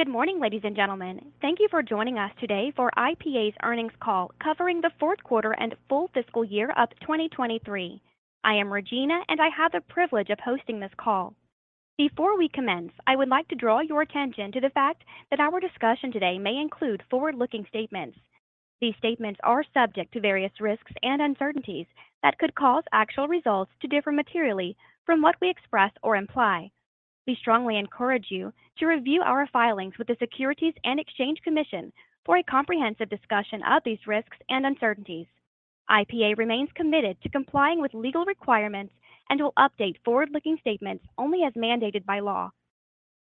Good morning, ladies and gentlemen. Thank you for joining us today for IPA's Earnings Call, covering the fourth quarter and full fiscal year of 2023. I am Regina. I have the privilege of hosting this call. Before we commence, I would like to draw your attention to the fact that our discussion today may include forward-looking statements. These statements are subject to various risks and uncertainties that could cause actual results to differ materially from what we express or imply. We strongly encourage you to review our filings with the Securities and Exchange Commission for a comprehensive discussion of these risks and uncertainties. IPA remains committed to complying with legal requirements and will update forward-looking statements only as mandated by law.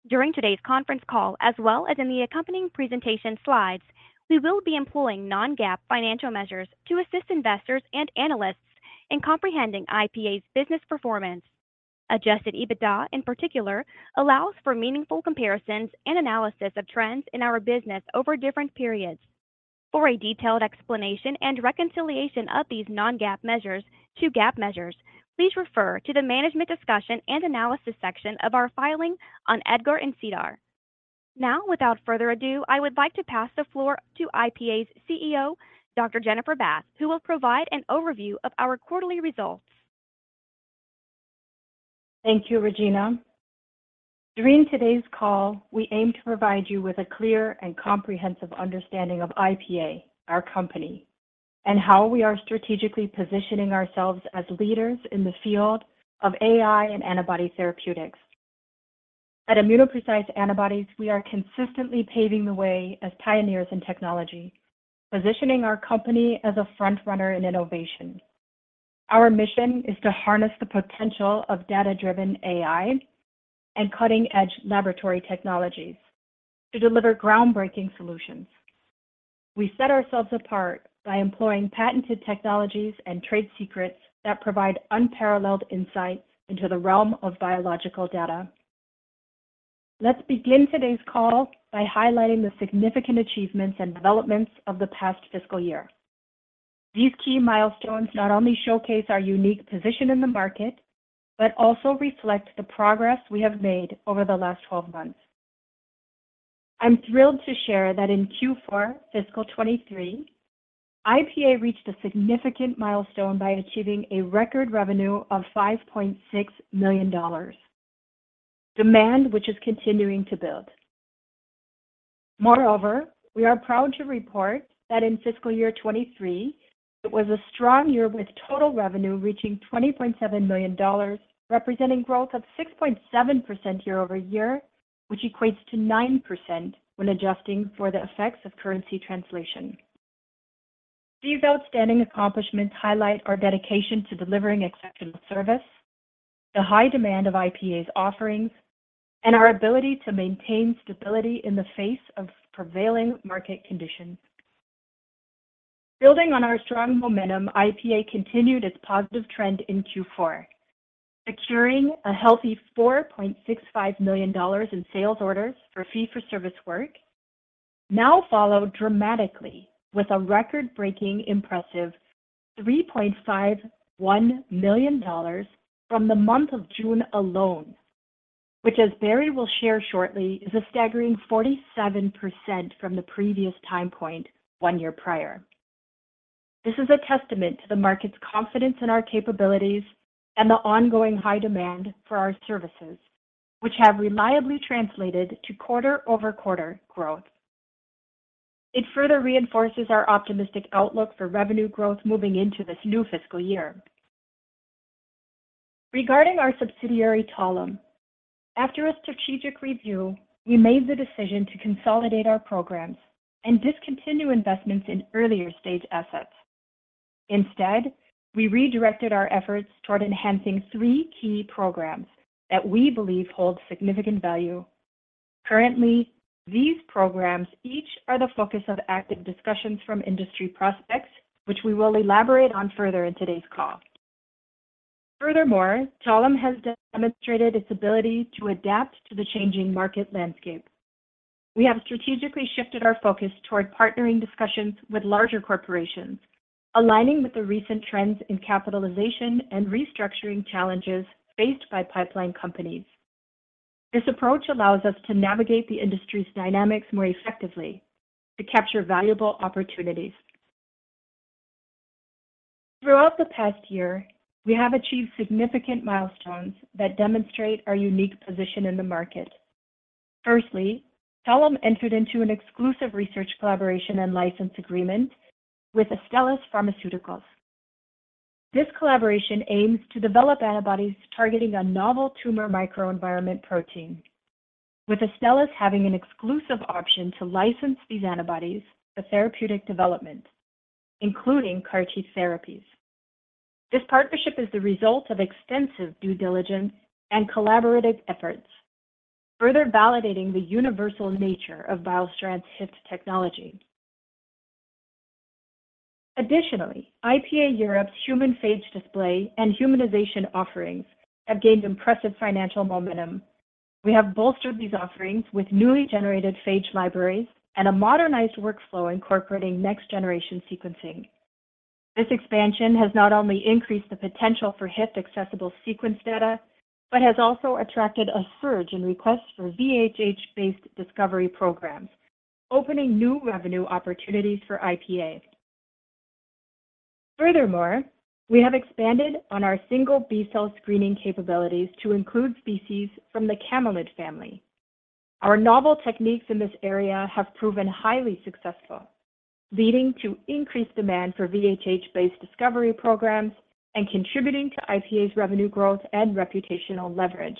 During today's conference call, as well as in the accompanying presentation slides, we will be employing non-GAAP financial measures to assist investors and analysts in comprehending IPA's business performance. Adjusted EBITDA, in particular, allows for meaningful comparisons and analysis of trends in our business over different periods. For a detailed explanation and reconciliation of these non-GAAP measures to GAAP measures, please refer to the Management Discussion and Analysis section of our filing on EDGAR and SEDAR. Without further ado, I would like to pass the floor to IPA's CEO, Dr. Jennifer Bath, who will provide an overview of our quarterly results. Thank you, Regina. During today's call, we aim to provide you with a clear and comprehensive understanding of IPA, our company, and how we are strategically positioning ourselves as leaders in the field of AI and antibody therapeutics. At ImmunoPrecise Antibodies, we are consistently paving the way as pioneers in technology, positioning our company as a frontrunner in innovation. Our mission is to harness the potential of data-driven AI and cutting-edge laboratory technologies to deliver groundbreaking solutions. We set ourselves apart by employing patented technologies and trade secrets that provide unparalleled insight into the realm of biological data. Let's begin today's call by highlighting the significant achievements and developments of the past fiscal year. These key milestones not only showcase our unique position in the market, but also reflect the progress we have made over the last 12 months. I'm thrilled to share that in Q4 fiscal 2023, IPA reached a significant milestone by achieving a record revenue of $5.6 million, demand which is continuing to build. We are proud to report that in fiscal year 2023, it was a strong year, with total revenue reaching $20.7 million, representing growth of 6.7% year-over-year, which equates to 9% when adjusting for the effects of currency translation. These outstanding accomplishments highlight our dedication to delivering exceptional service, the high demand of IPA's offerings, and our ability to maintain stability in the face of prevailing market conditions. Building on our strong momentum, IPA continued its positive trend in Q4, securing a healthy $4.65 million in sales orders for fee-for-service work, now followed dramatically with a record-breaking impressive $3.51 million from the month of June alone, which, as Barry will share shortly, is a staggering 47% from the previous time point one year prior. This is a testament to the market's confidence in our capabilities and the ongoing high demand for our services, which have reliably translated to quarter-over-quarter growth. It further reinforces our optimistic outlook for revenue growth moving into this new fiscal year. Regarding our subsidiary, Talem, after a strategic review, we made the decision to consolidate our programs and discontinue investments in earlier-stage assets. Instead, we redirected our efforts toward enhancing three key programs that we believe hold significant value. Currently, these programs each are the focus of active discussions from industry prospects, which we will elaborate on further in today's call. Talem has demonstrated its ability to adapt to the changing market landscape. We have strategically shifted our focus toward partnering discussions with larger corporations, aligning with the recent trends in capitalization and restructuring challenges faced by pipeline companies. This approach allows us to navigate the industry's dynamics more effectively to capture valuable opportunities. Throughout the past year, we have achieved significant milestones that demonstrate our unique position in the market. Talem entered into an exclusive research collaboration and license agreement with Astellas Pharmaceutical. This collaboration aims to develop antibodies targeting a novel tumor microenvironment protein, with Astellas having an exclusive option to license these antibodies for therapeutic development, including CAR-T therapies. This partnership is the result of extensive due diligence and collaborative efforts, further validating the universal nature of BioStrand's HYFT technology. Additionally, IPA Europe's human phage display and humanization offerings have gained impressive financial momentum. We have bolstered these offerings with newly generated phage libraries and a modernized workflow incorporating next-generation sequencing. This expansion has not only increased the potential for HYFT accessible sequence data, but has also attracted a surge in requests for VHH-based discovery programs, opening new revenue opportunities for IPA. Furthermore, we have expanded on our single B-cell screening capabilities to include species from the camelid family. Our novel techniques in this area have proven highly successful, leading to increased demand for VHH-based discovery programs and contributing to IPA's revenue growth and reputational leverage.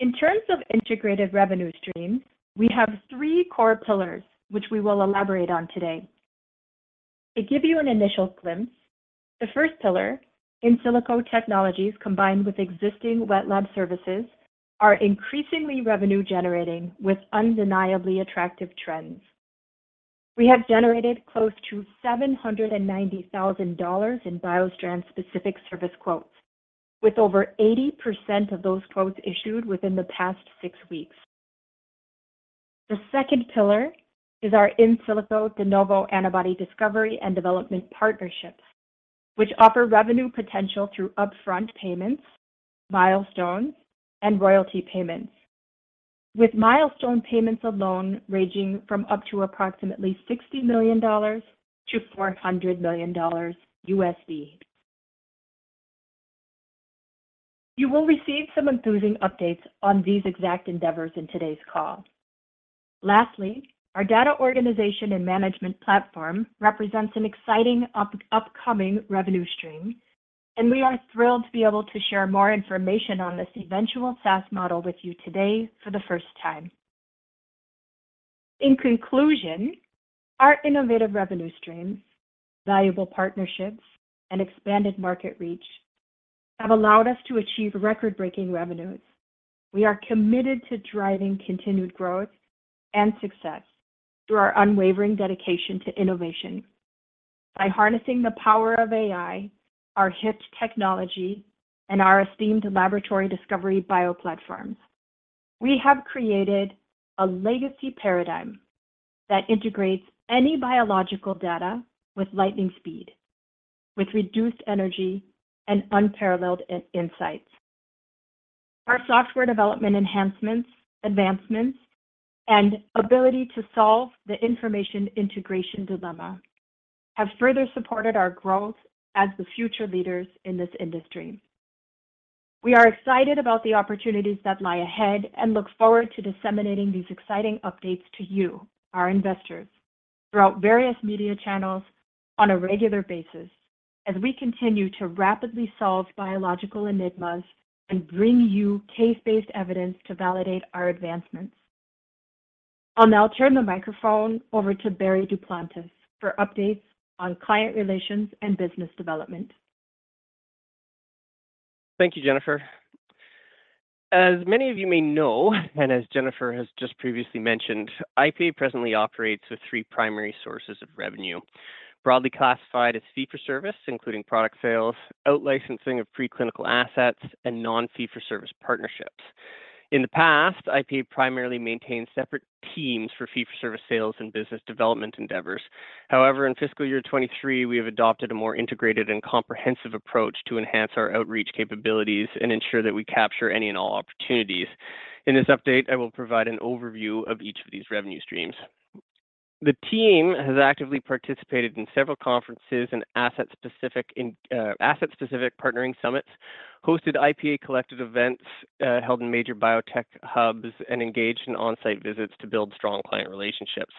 In terms of integrated revenue streams, we have three core pillars, which we will elaborate on today. To give you an initial glimpse, the first pillar, in silico technologies, combined with existing wet lab services, are increasingly revenue generating with undeniably attractive trends. We have generated close to $790,000 in BioStrand-specific service quotes, with over 80% of those quotes issued within the past six weeks. The second pillar is our in silico de novo antibody discovery and development partnerships, which offer revenue potential through upfront payments, milestones, and royalty payments, with milestone payments alone ranging from up to approximately $60 million-$400 million. You will receive some enthusing updates on these exact endeavors in today's call. Lastly, our data organization and management platform represents an exciting upcoming revenue stream, and we are thrilled to be able to share more information on this eventual SaaS model with you today for the first time. In conclusion, our innovative revenue streams, valuable partnerships, and expanded market reach have allowed us to achieve record-breaking revenues. We are committed to driving continued growth and success through our unwavering dedication to innovation. By harnessing the power of AI, our HIT technology, and our esteemed laboratory discovery bio platforms, we have created a legacy paradigm that integrates any biological data with lightning speed, with reduced energy and unparalleled insights. Our software development enhancements, advancements, and ability to solve the information integration dilemma have further supported our growth as the future leaders in this industry. We are excited about the opportunities that lie ahead and look forward to disseminating these exciting updates to you, our investors, throughout various media channels on a regular basis as we continue to rapidly solve biological enigmas and bring you case-based evidence to validate our advancements. I'll now turn the microphone over to Barry Duplantis for updates on client relations and business development. Thank you, Jennifer. As many of you may know, and as Jennifer has just previously mentioned, IPA presently operates with three primary sources of revenue, broadly classified as fee-for-service, including product sales, out licensing of preclinical assets, and non-fee-for-service partnerships. In the past, IPA primarily maintained separate teams for fee-for-service sales and business development endeavors. However, in fiscal year 2023, we have adopted a more integrated and comprehensive approach to enhance our outreach capabilities and ensure that we capture any and all opportunities. In this update, I will provide an overview of each of these revenue streams. The team has actively participated in several conferences and asset-specific partnering summits, hosted IPA-collected events held in major biotech hubs, and engaged in on-site visits to build strong client relationships.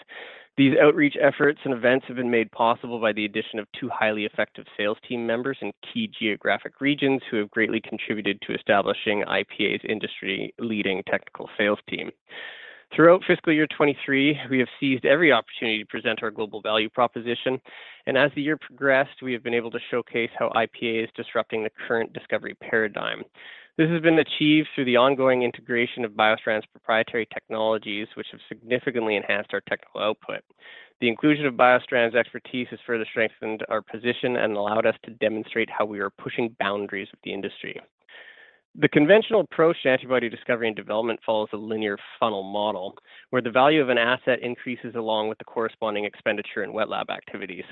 These outreach efforts and events have been made possible by the addition of two highly effective sales team members in key geographic regions who have greatly contributed to establishing IPA's industry-leading technical sales team. Throughout fiscal year 2023, we have seized every opportunity to present our global value proposition, and as the year progressed, we have been able to showcase how IPA is disrupting the current discovery paradigm. This has been achieved through the ongoing integration of BioStrand's proprietary technologies, which have significantly enhanced our technical output. The inclusion of BioStrand's expertise has further strengthened our position and allowed us to demonstrate how we are pushing boundaries with the industry. The conventional approach to antibody discovery and development follows a linear funnel model, where the value of an asset increases along with the corresponding expenditure in wet lab activities.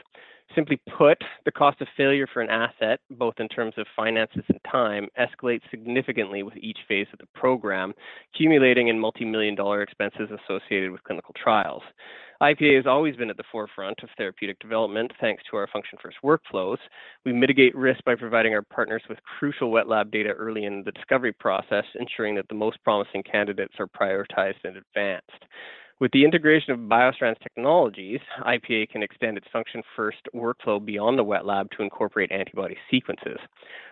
Simply put, the cost of failure for an asset, both in terms of finances and time, escalates significantly with each phase of the program, accumulating in multimillion-dollar expenses associated with clinical trials. IPA has always been at the forefront of therapeutic development, thanks to our function-first workflows. We mitigate risk by providing our partners with crucial wet lab data early in the discovery process, ensuring that the most promising candidates are prioritized and advanced. With the integration of BioStrand's technologies, IPA can extend its function-first workflow beyond the wet lab to incorporate antibody sequences.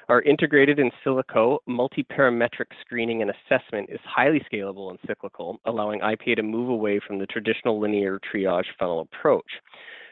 Our integrated in silico multiparametric screening and assessment is highly scalable and cyclical, allowing IPA to move away from the traditional linear triage funnel approach.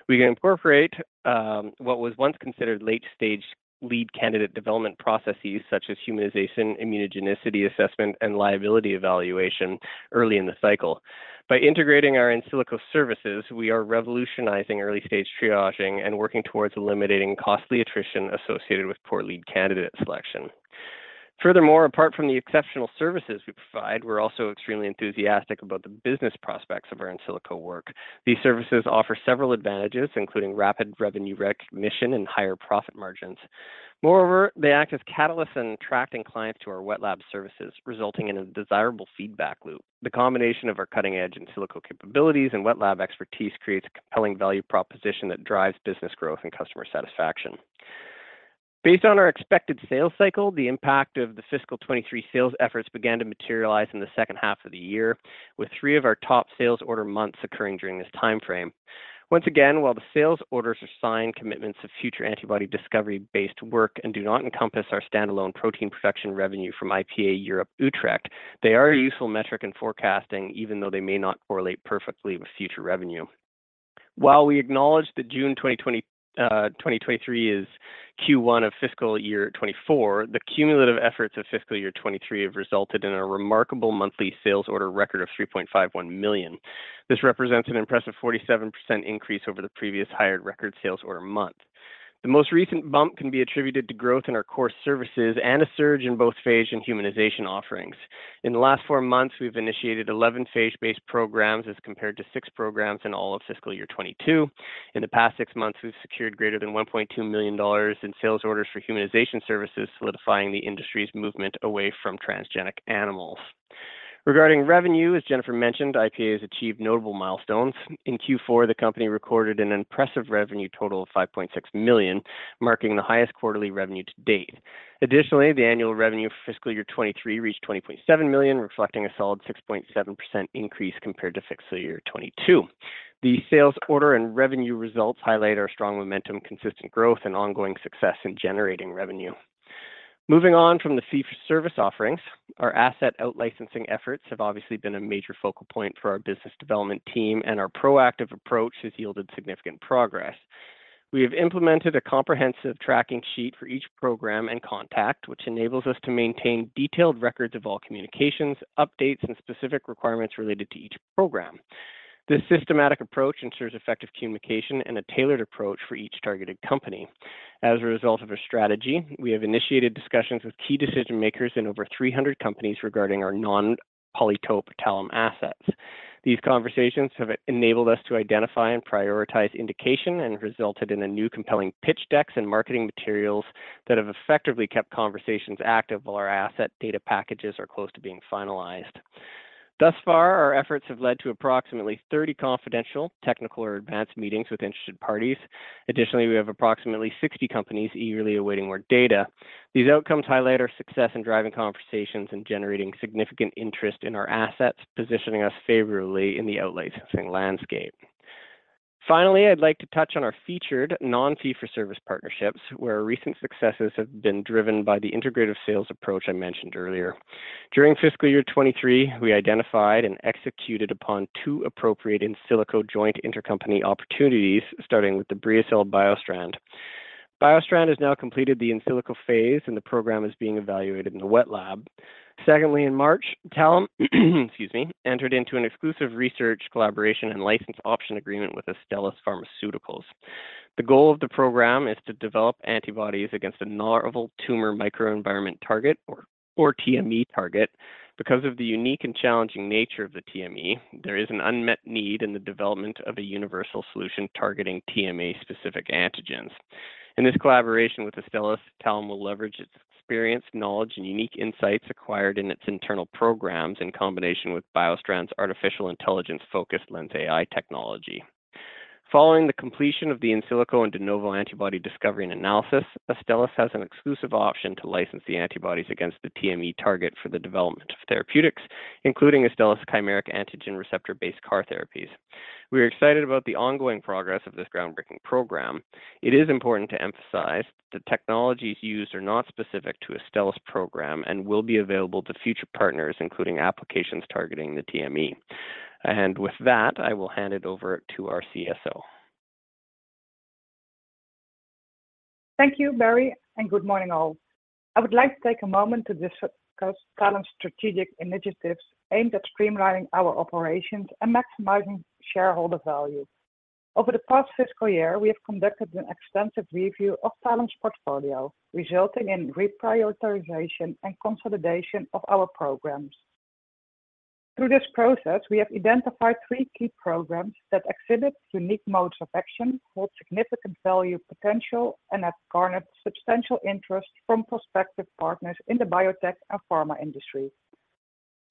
We can incorporate what was once considered late-stage lead candidate development processes, such as humanization, immunogenicity assessment, and liability evaluation, early in the cycle. By integrating our in silico services, we are revolutionizing early-stage triaging and working towards eliminating costly attrition associated with poor lead candidate selection. Furthermore, apart from the exceptional services we provide, we're also extremely enthusiastic about the business prospects of our in silico work. These services offer several advantages, including rapid revenue recognition and higher profit margins. Moreover, they act as catalysts in attracting clients to our wet lab services, resulting in a desirable feedback loop. The combination of our cutting-edge in silico capabilities and wet lab expertise creates a compelling value proposition that drives business growth and customer satisfaction. Based on our expected sales cycle, the impact of the fiscal 2023 sales efforts began to materialize in the second half of the year, with three of our top sales order months occurring during this time frame. Once again, while the sales orders are signed, commitments of future antibody discovery-based work and do not encompass our standalone protein production revenue from IPA Europe, Utrecht, they are a useful metric in forecasting, even though they may not correlate perfectly with future revenue. While we acknowledge that June 2023 is Q1 of fiscal year 2024, the cumulative efforts of fiscal year 2023 have resulted in a remarkable monthly sales order record of $3.51 million. This represents an impressive 47% increase over the previous higher record sales order month. The most recent bump can be attributed to growth in our core services and a surge in both phage and humanization offerings. In the last four months, we've initiated 11 phage-based programs, as compared to six programs in all of fiscal year 2022. In the past six months, we've secured greater than $1.2 million in sales orders for humanization services, solidifying the industry's movement away from transgenic animals. Regarding revenue, as Jennifer mentioned, IPA has achieved notable milestones. In Q4, the company recorded an impressive revenue total of $5.6 million, marking the highest quarterly revenue to date. Additionally, the annual revenue for fiscal year 2023 reached $20.7 million, reflecting a solid 6.7% increase compared to fiscal year 2022. The sales order and revenue results highlight our strong momentum, consistent growth, and ongoing success in generating revenue. Moving on from the fee-for-service offerings, our asset out licensing efforts have obviously been a major focal point for our business development team, and our proactive approach has yielded significant progress. We have implemented a comprehensive tracking sheet for each program and contact, which enables us to maintain detailed records of all communications, updates, and specific requirements related to each program. This systematic approach ensures effective communication and a tailored approach for each targeted company. As a result of our strategy, we have initiated discussions with key decision-makers in over 300 companies regarding our non-PolyTope Talem assets. These conversations have enabled us to identify and prioritize indication, resulted in a new compelling pitch decks and marketing materials that have effectively kept conversations active while our asset data packages are close to being finalized. Thus far, our efforts have led to approximately 30 confidential, technical or advanced meetings with interested parties. Additionally, we have approximately 60 companies eagerly awaiting more data. These outcomes highlight our success in driving conversations and generating significant interest in our assets, positioning us favorably in the out licensing landscape. Finally, I'd like to touch on our featured non-fee-for-service partnerships, where recent successes have been driven by the integrative sales approach I mentioned earlier. During fiscal year 2023, we identified and executed upon two appropriate in silico joint intercompany opportunities, starting with the BriaCell BioStrand. BioStrand has now completed the in silico phase, and the program is being evaluated in the wet lab. In March, Talem, excuse me, entered into an exclusive research collaboration and license option agreement with Astellas Pharmaceutical. The goal of the program is to develop antibodies against a narval tumor microenvironment target or TME target. Because of the unique and challenging nature of the TME, there is an unmet need in the development of a universal solution targeting TME-specific antigens. In this collaboration with Astellas, Talem will leverage its experience, knowledge, and unique insights acquired in its internal programs, in combination with BioStrand's artificial intelligence-focused LENSai technology. Following the completion of the in silico and de novo antibody discovery and analysis, Astellas has an exclusive option to license the antibodies against the TME target for the development of therapeutics, including Astellas chimeric antigen receptor-based CAR therapies. We are excited about the ongoing progress of this groundbreaking program. It is important to emphasize that the technologies used are not specific to Astellas program and will be available to future partners, including applications targeting the TME. With that, I will hand it over to our CSO. Thank you, Barry, and good morning, all. I would like to take a moment to discuss Talem's strategic initiatives aimed at streamlining our operations and maximizing shareholder value. Over the past fiscal year, we have conducted an extensive review of Talem's portfolio, resulting in reprioritization and consolidation of our programs. Through this process, we have identified three key programs that exhibit unique modes of action, hold significant value potential, and have garnered substantial interest from prospective partners in the biotech and pharma industry.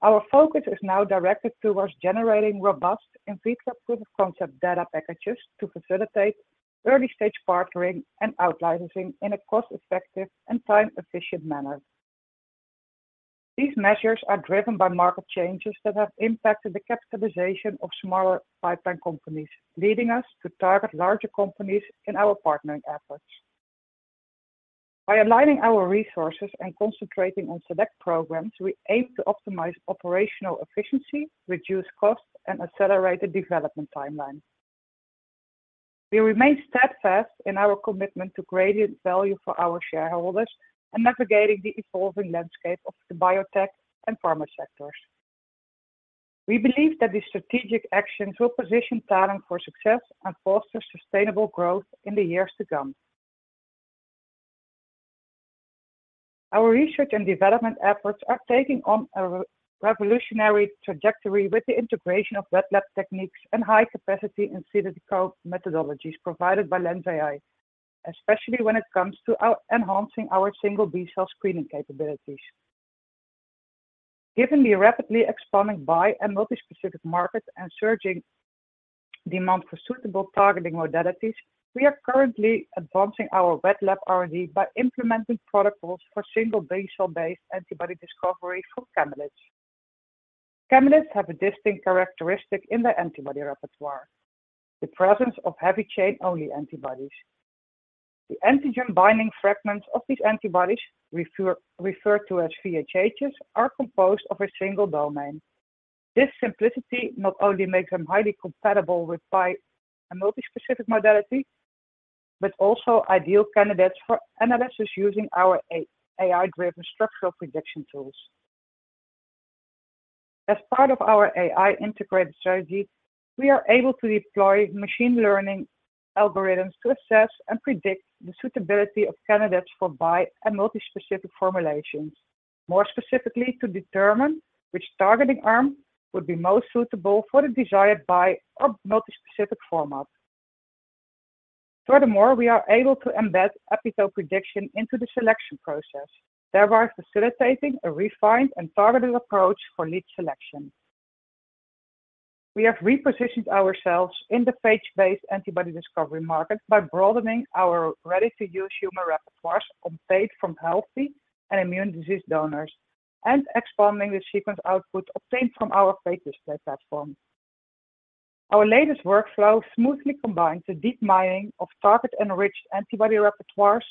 Our focus is now directed towards generating robust and feature proof of concept data packages to facilitate early-stage partnering and out-licensing in a cost-effective and time-efficient manner. These measures are driven by market changes that have impacted the capitalization of smaller pipeline companies, leading us to target larger companies in our partnering efforts. By aligning our resources and concentrating on select programs, we aim to optimize operational efficiency, reduce costs, and accelerate the development timeline. We remain steadfast in our commitment to gradient value for our shareholders and navigating the evolving landscape of the biotech and pharma sectors. We believe that the strategic actions will position Talem for success and foster sustainable growth in the years to come. Our research and development efforts are taking on a revolutionary trajectory with the integration of wet lab techniques and high-capacity in silico methodologies provided by LENSai, especially when it comes to enhancing our single B-cell screening capabilities. Given the rapidly expanding bispecific and multispecific markets and surging demand for suitable targeting modalities, we are currently advancing our wet lab R&D by implementing protocols for single B-cell based antibody discovery from camelids. Camelids have a distinct characteristic in their antibody repertoire, the presence of heavy chain-only antibodies. The antigen-binding fragments of these antibodies, referred to as VHHs, are composed of a single domain. This simplicity not only makes them highly compatible with bispecific and multispecific modalities, but also ideal candidates for analysis using our AI-driven structural prediction tools. As part of our AI integrated strategy, we are able to deploy machine learning algorithms to assess and predict the suitability of candidates for bispecific and multispecific formulations. More specifically, to determine which targeting arm would be most suitable for the desired bi or multi-specific format. We are able to embed epitope prediction into the selection process, thereby facilitating a refined and targeted approach for lead selection. We have repositioned ourselves in the phage-based antibody discovery market by broadening our ready-to-use human repertoires on phage from healthy and immune disease donors, expanding the sequence output obtained from our phage display platform. Our latest workflow smoothly combines the deep mining of target-enriched antibody repertoires,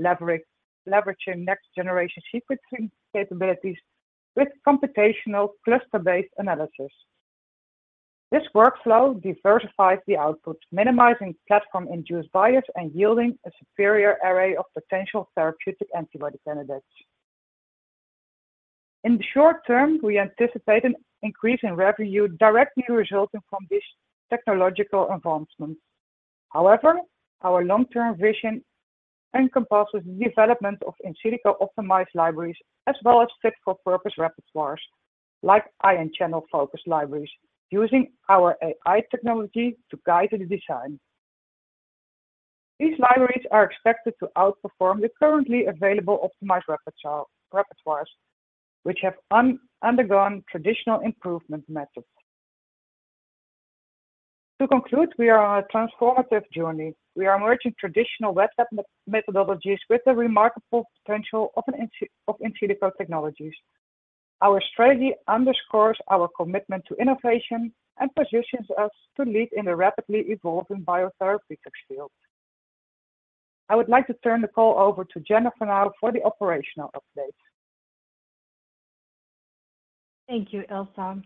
leveraging next-generation sequencing capabilities with computational cluster-based analysis. This workflow diversifies the output, minimizing platform-induced bias and yielding a superior array of potential therapeutic antibody candidates. In the short term, we anticipate an increase in revenue directly resulting from these technological advancements. Our long-term vision encompasses the development of in silico optimized libraries, as well as fit-for-purpose repertoires, like ion channel-focused libraries, using our AI technology to guide the design. These libraries are expected to outperform the currently available optimized repertoires, which have undergone traditional improvement methods. To conclude, we are on a transformative journey. We are merging traditional wet lab methodologies with the remarkable potential of in silico technologies. Our strategy underscores our commitment to innovation and positions us to lead in the rapidly evolving biotherapeutics field. I would like to turn the call over to Jennifer now for the operational update. Thank you, Ilse.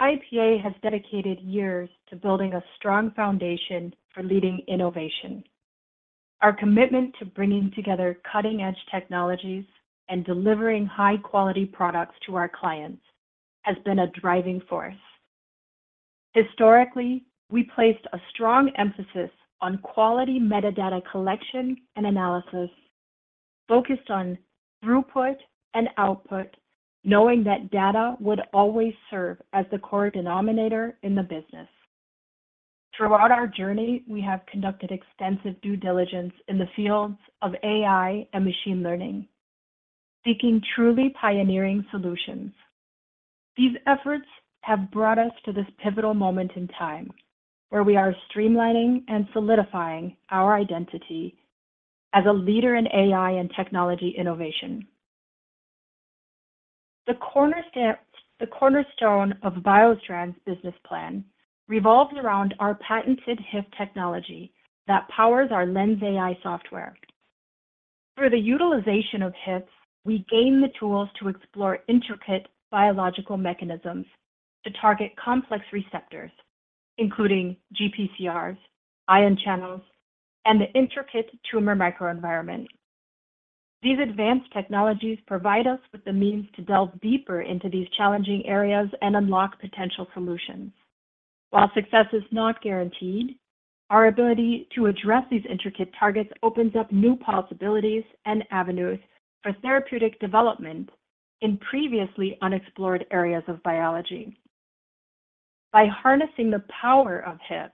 IPA has dedicated years to building a strong foundation for leading innovation. Our commitment to bringing together cutting-edge technologies and delivering high-quality products to our clients has been a driving force. Historically, we placed a strong emphasis on quality metadata collection and analysis, focused on throughput and output, knowing that data would always serve as the core denominator in the business. Throughout our journey, we have conducted extensive due diligence in the fields of AI and machine learning, seeking truly pioneering solutions. These efforts have brought us to this pivotal moment in time, where we are streamlining and solidifying our identity as a leader in AI and technology innovation. The cornerstone of BioStrand's business plan revolves around our patented HYFT technology that powers our LENSai software. Through the utilization of HYFT, we gain the tools to explore intricate biological mechanisms to target complex receptors, including GPCRs, ion channels, and the intricate tumor microenvironment. These advanced technologies provide us with the means to delve deeper into these challenging areas and unlock potential solutions. While success is not guaranteed, our ability to address these intricate targets opens up new possibilities and avenues for therapeutic development in previously unexplored areas of biology. By harnessing the power of HYFT,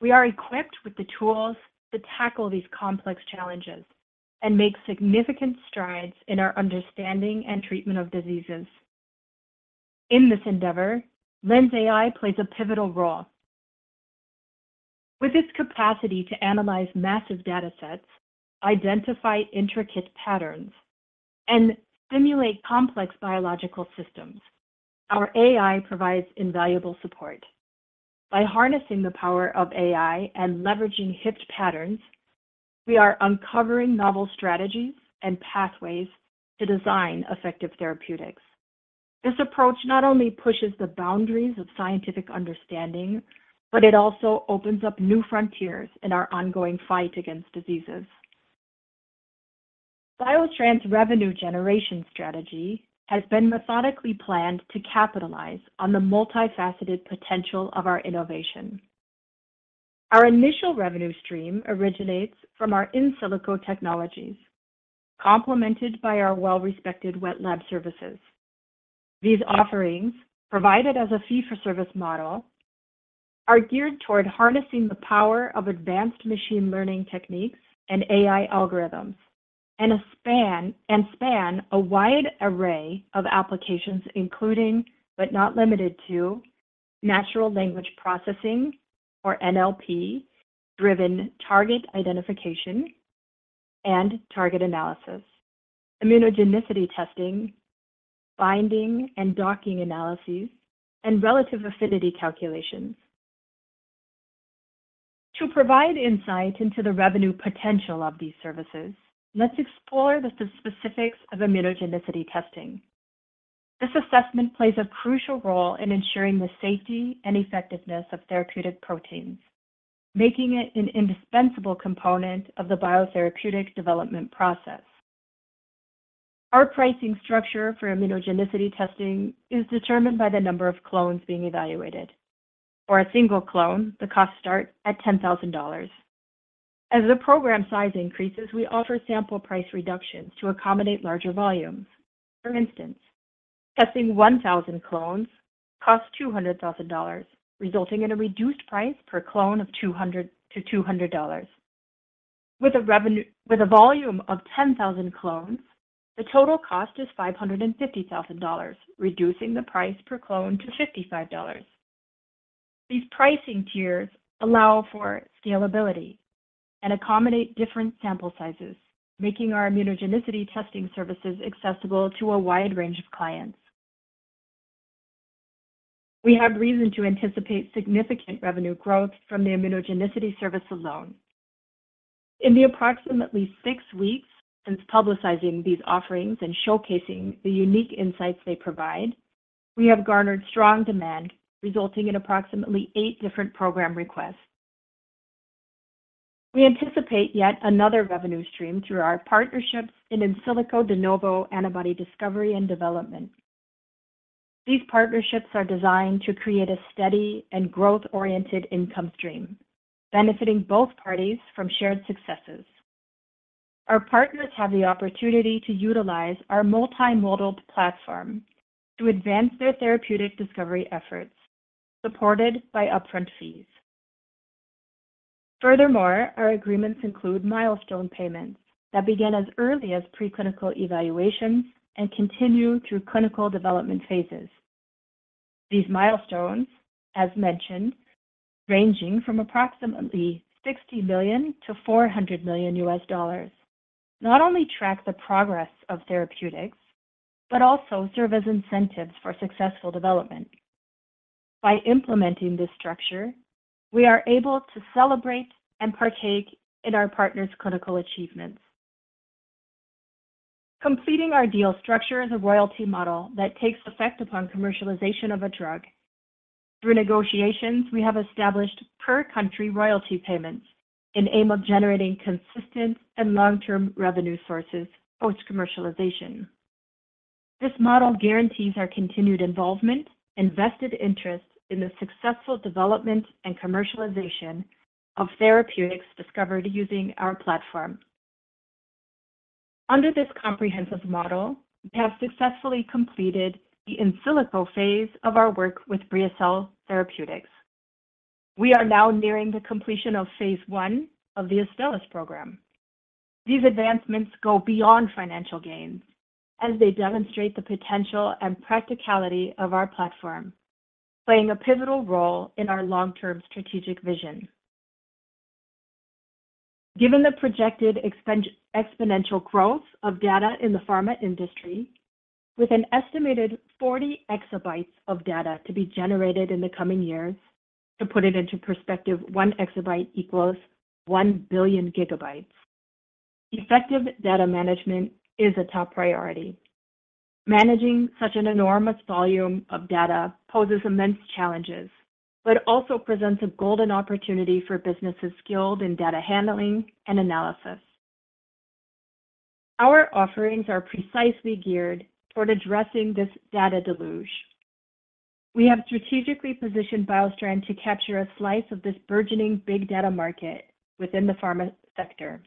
we are equipped with the tools to tackle these complex challenges and make significant strides in our understanding and treatment of diseases. In this endeavor, LENSai plays a pivotal role. With its capacity to analyze massive datasets, identify intricate patterns, and simulate complex biological systems, our AI provides invaluable support. By harnessing the power of AI and leveraging HYFT patterns, we are uncovering novel strategies and pathways to design effective therapeutics. This approach not only pushes the boundaries of scientific understanding, but it also opens up new frontiers in our ongoing fight against diseases. BioStrand's revenue generation strategy has been methodically planned to capitalize on the multifaceted potential of our innovation. Our initial revenue stream originates from our in silico technologies, complemented by our well-respected wet lab services. These offerings, provided as a fee-for-service model, are geared toward harnessing the power of advanced machine learning techniques and AI algorithms, and span a wide array of applications, including, but not limited to, natural language processing, or NLP, driven target identification and target analysis, immunogenicity testing, binding and docking analyses, and relative affinity calculations. To provide insight into the revenue potential of these services, let's explore the specifics of immunogenicity testing. This assessment plays a crucial role in ensuring the safety and effectiveness of therapeutic proteins, making it an indispensable component of the biotherapeutic development process. Our pricing structure for immunogenicity testing is determined by the number of clones being evaluated. For a single clone, the cost starts at $10,000. As the program size increases, we offer sample price reductions to accommodate larger volumes. For instance, testing 1,000 clones costs $200,000, resulting in a reduced price per clone of $200. With a volume of 10,000 clones, the total cost is $550,000, reducing the price per clone to $55. These pricing tiers allow for scalability and accommodate different sample sizes, making our immunogenicity testing services accessible to a wide range of clients. We have reason to anticipate significant revenue growth from the immunogenicity service alone. In the approximately six weeks since publicizing these offerings and showcasing the unique insights they provide, we have garnered strong demand, resulting in approximately eight different program requests. We anticipate yet another revenue stream through our partnerships in in silico de novo antibody discovery and development. These partnerships are designed to create a steady and growth-oriented income stream, benefiting both parties from shared successes. Our partners have the opportunity to utilize our multimodal platform to advance their therapeutic discovery efforts, supported by upfront fees. Our agreements include milestone payments that begin as early as preclinical evaluations and continue through clinical development phases. These milestones, as mentioned, ranging from approximately $60 million-$400 million, not only track the progress of therapeutics, but also serve as incentives for successful development. By implementing this structure, we are able to celebrate and partake in our partners' clinical achievements. Completing our deal structure is a royalty model that takes effect upon commercialization of a drug. Through negotiations, we have established per-country royalty payments in aim of generating consistent and long-term revenue sources post-commercialization. This model guarantees our continued involvement and vested interest in the successful development and commercialization of therapeutics discovered using our platform. Under this comprehensive model, we have successfully completed the in silico phase of our work with BriaCell Therapeutics. We are now nearing the completion of phase I of the Astellas program. These advancements go beyond financial gains as they demonstrate the potential and practicality of our platform, playing a pivotal role in our long-term strategic vision. Given the projected exponential growth of data in the pharma industry, with an estimated 40 EB of data to be generated in the coming years, to put it into perspective, 1 EB equals 1 billion GB. Effective data management is a top priority. Managing such an enormous volume of data poses immense challenges, but also presents a golden opportunity for businesses skilled in data handling and analysis. Our offerings are precisely geared toward addressing this data deluge. We have strategically positioned BioStrand to capture a slice of this burgeoning big data market within the pharma sector.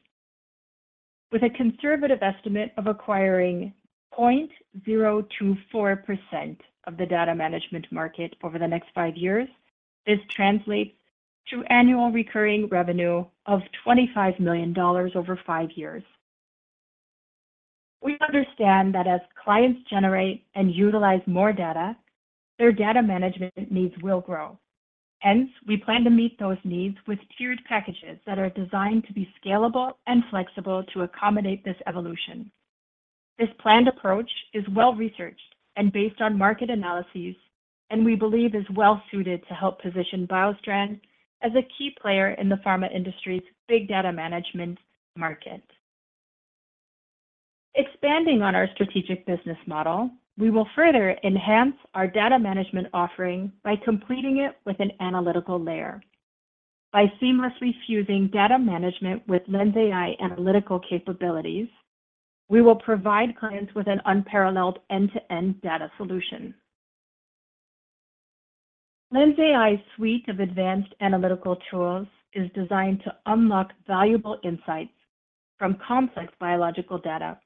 With a conservative estimate of acquiring 0.024% of the data management market over the next five years, this translates to annual recurring revenue of $25 million over five years. We understand that as clients generate and utilize more data, their data management needs will grow. We plan to meet those needs with tiered packages that are designed to be scalable and flexible to accommodate this evolution. This planned approach is well-researched and based on market analyses. We believe is well-suited to help position BioStrand as a key player in the pharma industry's big data management market. Expanding on our strategic business model, we will further enhance our data management offering by completing it with an analytical layer. By seamlessly fusing data management with LENSai analytical capabilities, we will provide clients with an unparalleled end-to-end data solution. LENSai suite of advanced analytical tools is designed to unlock valuable insights from complex biological data.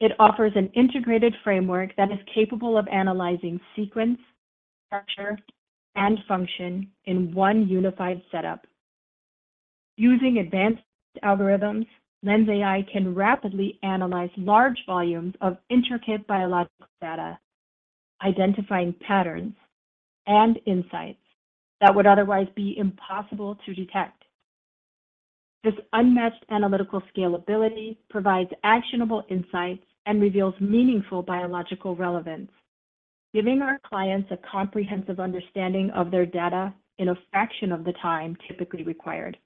It offers an integrated framework that is capable of analyzing sequence, structure, and function in one unified setup. Using advanced algorithms, LENSai can rapidly analyze large volumes of intricate biological data, identifying patterns and insights that would otherwise be impossible to detect. This unmatched analytical scalability provides actionable insights and reveals meaningful biological relevance, giving our clients a comprehensive understanding of their data in a fraction of the time typically required.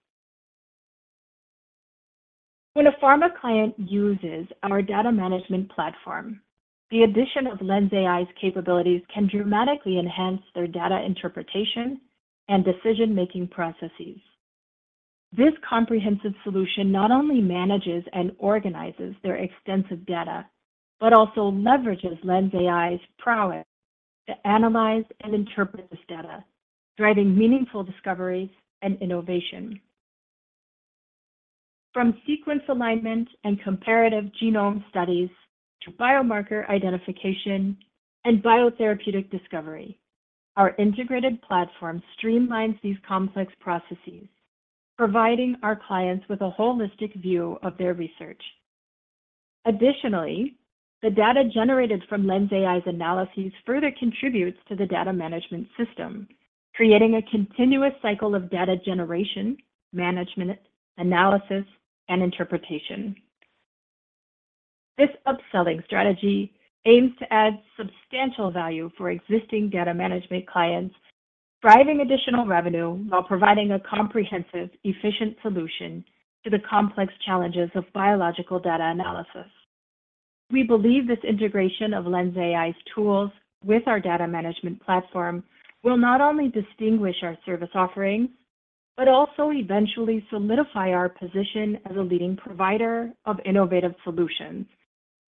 When a pharma client uses our data management platform, the addition of LENSai's capabilities can dramatically enhance their data interpretation and decision-making processes. This comprehensive solution not only manages and organizes their extensive data, but also leverages LENSai's prowess to analyze and interpret this data, driving meaningful discoveries and innovation. From sequence alignment and comparative genome studies to biomarker identification and biotherapeutic discovery, our integrated platform streamlines these complex processes, providing our clients with a holistic view of their research. Additionally, the data generated from LENSai's analyses further contributes to the data management system, creating a continuous cycle of data generation, management, analysis, and interpretation. This upselling strategy aims to add substantial value for existing data management clients, driving additional revenue while providing a comprehensive, efficient solution to the complex challenges of biological data analysis. We believe this integration of LENSai's tools with our data management platform will not only distinguish our service offerings, but also eventually solidify our position as a leading provider of innovative solutions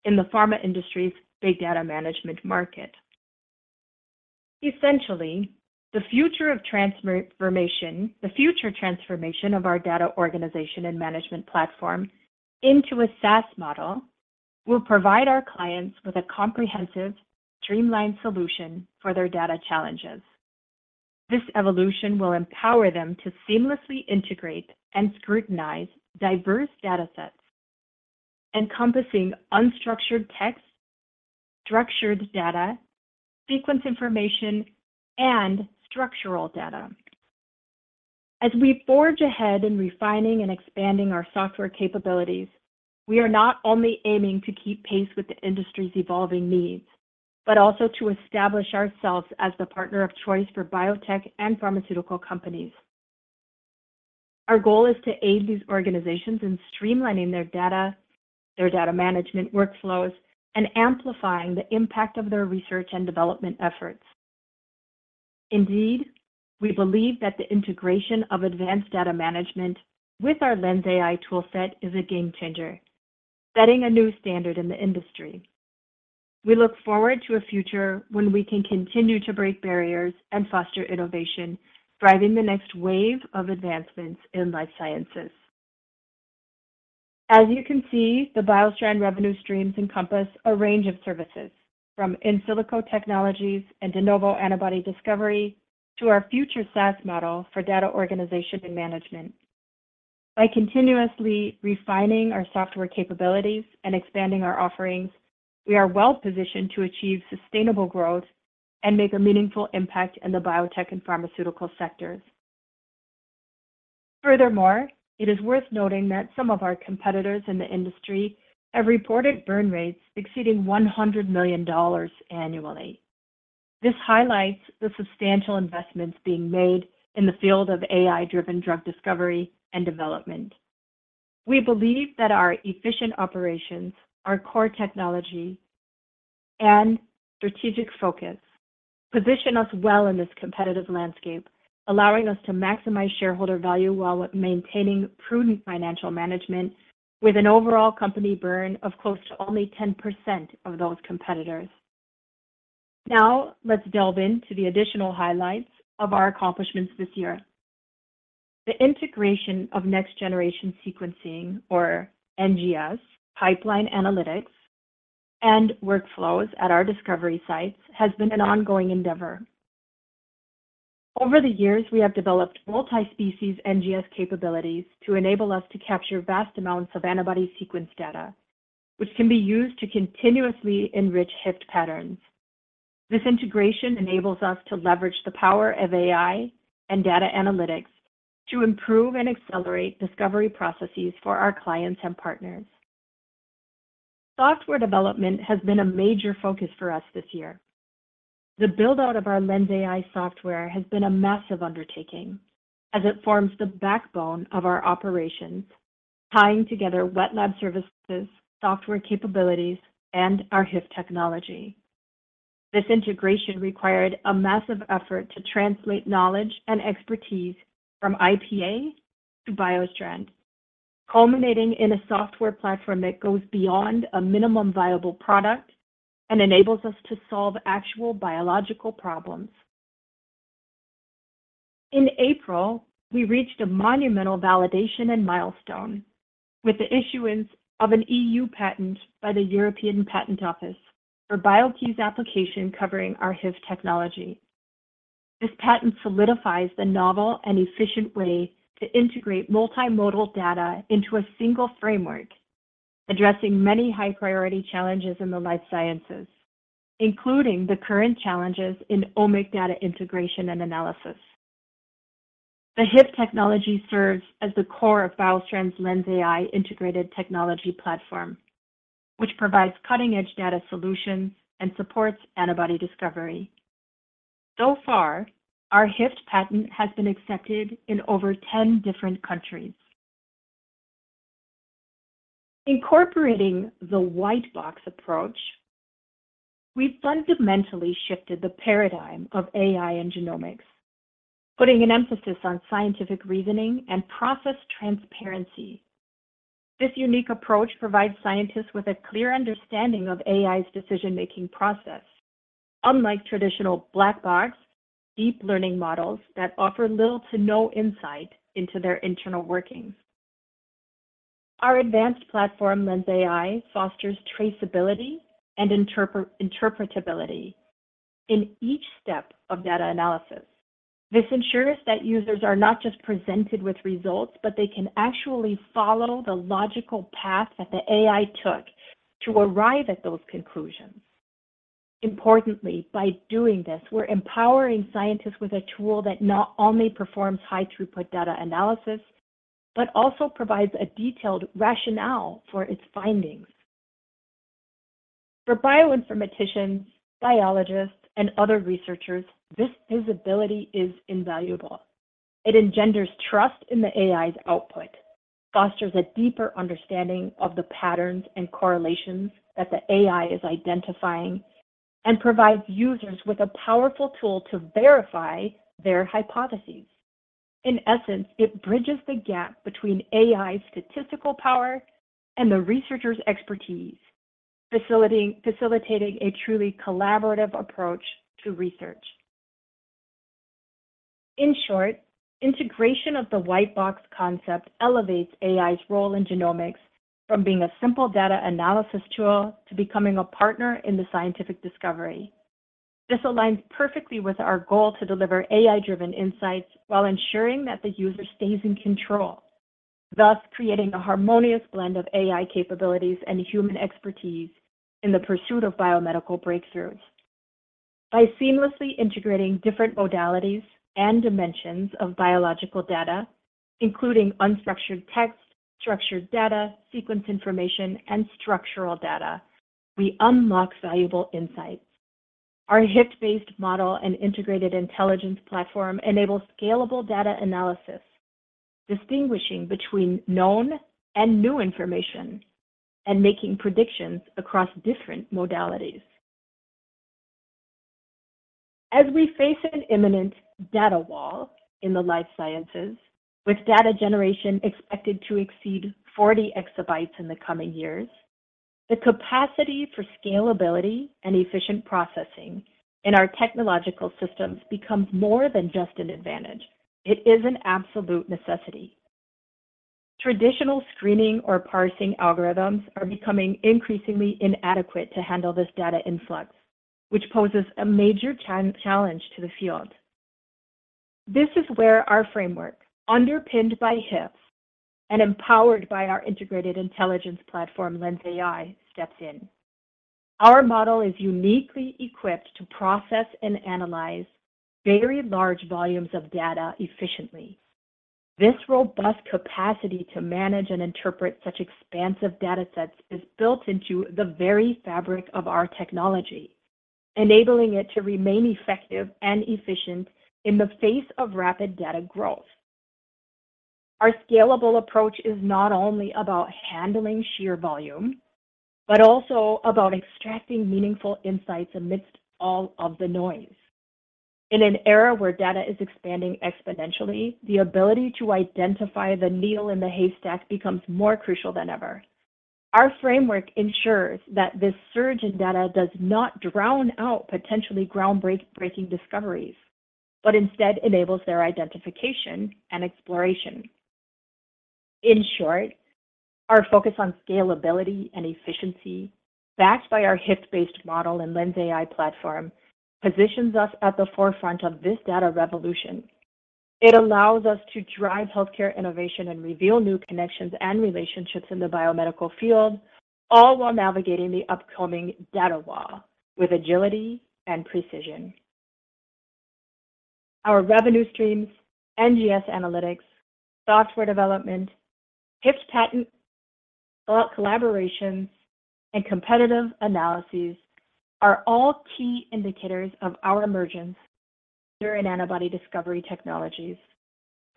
in the pharma industry's big data management market. Essentially, the future transformation of our data organization and management platform into a SaaS model will provide our clients with a comprehensive, streamlined solution for their data challenges. This evolution will empower them to seamlessly integrate and scrutinize diverse datasets, encompassing unstructured text, structured data, sequence information, and structural data. As we forge ahead in refining and expanding our software capabilities, we are not only aiming to keep pace with the industry's evolving needs, but also to establish ourselves as the partner of choice for biotech and pharmaceutical companies. Our goal is to aid these organizations in streamlining their data, their data management workflows, and amplifying the impact of their research and development efforts. Indeed, we believe that the integration of advanced data management with our LENSai toolset is a game changer, setting a new standard in the industry. We look forward to a future when we can continue to break barriers and foster innovation, driving the next wave of advancements in life sciences. As you can see, the BioStrand revenue streams encompass a range of services, from in silico technologies and de novo antibody discovery, to our future SaaS model for data organization and management. By continuously refining our software capabilities and expanding our offerings, we are well positioned to achieve sustainable growth and make a meaningful impact in the biotech and pharmaceutical sectors. It is worth noting that some of our competitors in the industry have reported burn rates exceeding $100 million annually. This highlights the substantial investments being made in the field of AI-driven drug discovery and development. We believe that our efficient operations, our core technology, and strategic focus position us well in this competitive landscape, allowing us to maximize shareholder value while maintaining prudent financial management with an overall company burn of close to only 10% of those competitors. Now, let's delve into the additional highlights of our accomplishments this year. The integration of next-generation sequencing, or NGS, pipeline analytics and workflows at our discovery sites has been an ongoing endeavor. Over the years, we have developed multi-species NGS capabilities to enable us to capture vast amounts of antibody sequence data, which can be used to continuously enrich HIT patterns. This integration enables us to leverage the power of AI and data analytics to improve and accelerate discovery processes for our clients and partners. Software development has been a major focus for us this year. The build-out of our LENSai software has been a massive undertaking as it forms the backbone of our operations, tying together wet lab services, software capabilities, and our HYFT technology. This integration required a massive effort to translate knowledge and expertise from IPA to BioStrand, culminating in a software platform that goes beyond a minimum viable product and enables us to solve actual biological problems. In April, we reached a monumental validation and milestone with the issuance of an EU patent by the European Patent Office for BioKey's application covering our HYFT technology. This patent solidifies the novel and efficient way to integrate multimodal data into a single framework, addressing many high-priority challenges in the life sciences, including the current challenges in omics data integration and analysis. The HYFT technology serves as the core of BioStrand's LENSai integrated technology platform, which provides cutting-edge data solutions and supports antibody discovery. So far, our HYFT patent has been accepted in over 10 different countries. Incorporating the white box approach, we've fundamentally shifted the paradigm of AI and genomics, putting an emphasis on scientific reasoning and process transparency. This unique approach provides scientists with a clear understanding of AI's decision-making process. Unlike traditional black box, deep learning models that offer little to no insight into their internal workings. Our advanced platform, LENSai, fosters traceability and interpretability in each step of data analysis. This ensures that users are not just presented with results, but they can actually follow the logical path that the AI took to arrive at those conclusions. Importantly, by doing this, we're empowering scientists with a tool that not only performs high-throughput data analysis, but also provides a detailed rationale for its findings. For bioinformaticians, biologists, and other researchers, this visibility is invaluable. It engenders trust in the AI's output, fosters a deeper understanding of the patterns and correlations that the AI is identifying, and provides users with a powerful tool to verify their hypotheses. In essence, it bridges the gap between AI statistical power and the researcher's expertise, facilitating a truly collaborative approach to research. In short, integration of the white box concept elevates AI's role in genomics from being a simple data analysis tool to becoming a partner in the scientific discovery. This aligns perfectly with our goal to deliver AI-driven insights while ensuring that the user stays in control, thus creating a harmonious blend of AI capabilities and human expertise in the pursuit of biomedical breakthroughs. Seamlessly integrating different modalities and dimensions of biological data, including unstructured text, structured data, sequence information, and structural data, we unlock valuable insights. Our HYFT-based model and integrated intelligence platform enables scalable data analysis, distinguishing between known and new information, and making predictions across different modalities. We face an imminent data wall in the life sciences, with data generation expected to exceed 40 EB in the coming years, the capacity for scalability and efficient processing in our technological systems becomes more than just an advantage. It is an absolute necessity. Traditional screening or parsing algorithms are becoming increasingly inadequate to handle this data influx, which poses a major challenge to the field. This is where our framework, underpinned by HYFT and empowered by our integrated intelligence platform, LENSai, steps in. Our model is uniquely equipped to process and analyze very large volumes of data efficiently. This robust capacity to manage and interpret such expansive datasets is built into the very fabric of our technology, enabling it to remain effective and efficient in the face of rapid data growth. Our scalable approach is not only about handling sheer volume, but also about extracting meaningful insights amidst all of the noise. In an era where data is expanding exponentially, the ability to identify the needle in the haystack becomes more crucial than ever. Our framework ensures that this surge in data does not drown out potentially groundbreaking discoveries, but instead enables their identification and exploration. In short, our focus on scalability and efficiency, backed by our HYFT-based model and LENSai platform, positions us at the forefront of this data revolution. It allows us to drive healthcare innovation and reveal new connections and relationships in the biomedical field, all while navigating the upcoming data wall with agility and precision. Our revenue streams, NGS analytics, software development, HYFT patent, collaborations, and competitive analyses are all key indicators of our emergence and antibody discovery technologies.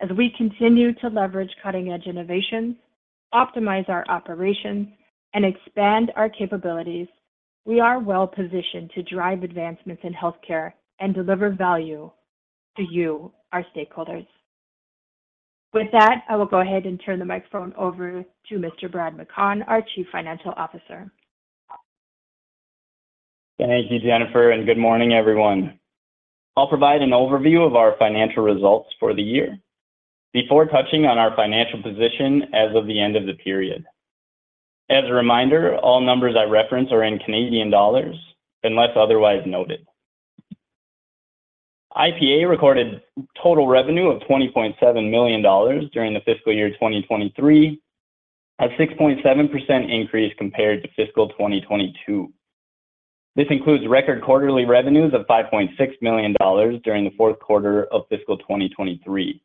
As we continue to leverage cutting-edge innovations, optimize our operations, and expand our capabilities, we are well-positioned to drive advancements in healthcare and deliver value to you, our stakeholders. With that, I will go ahead and turn the microphone over to Mr. Brad McConn, our Chief Financial Officer. Thank you, Jennifer. Good morning, everyone. I'll provide an overview of our financial results for the year before touching on our financial position as of the end of the period. As a reminder, all numbers I reference are in Canadian dollars, unless otherwise noted. IPA recorded total revenue of 20.7 million dollars during the fiscal year 2023, a 6.7% increase compared to fiscal 2022. This includes record quarterly revenues of 5.6 million dollars during the fourth quarter of fiscal 2023.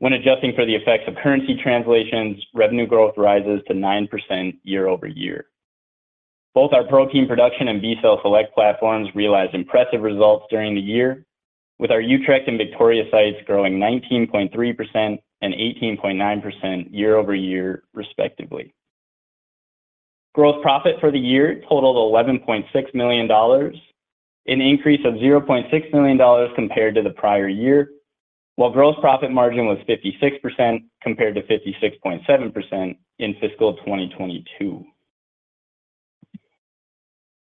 When adjusting for the effects of currency translations, revenue growth rises to 9% year-over-year. Both our protein production and B-cell Select platforms realized impressive results during the year, with our Utrecht and Victoria sites growing 19.3% and 18.9% year-over-year, respectively. Gross profit for the year totaled 11.6 million dollars, an increase of 0.6 million dollars compared to the prior year, while gross profit margin was 56%, compared to 56.7% in fiscal 2022.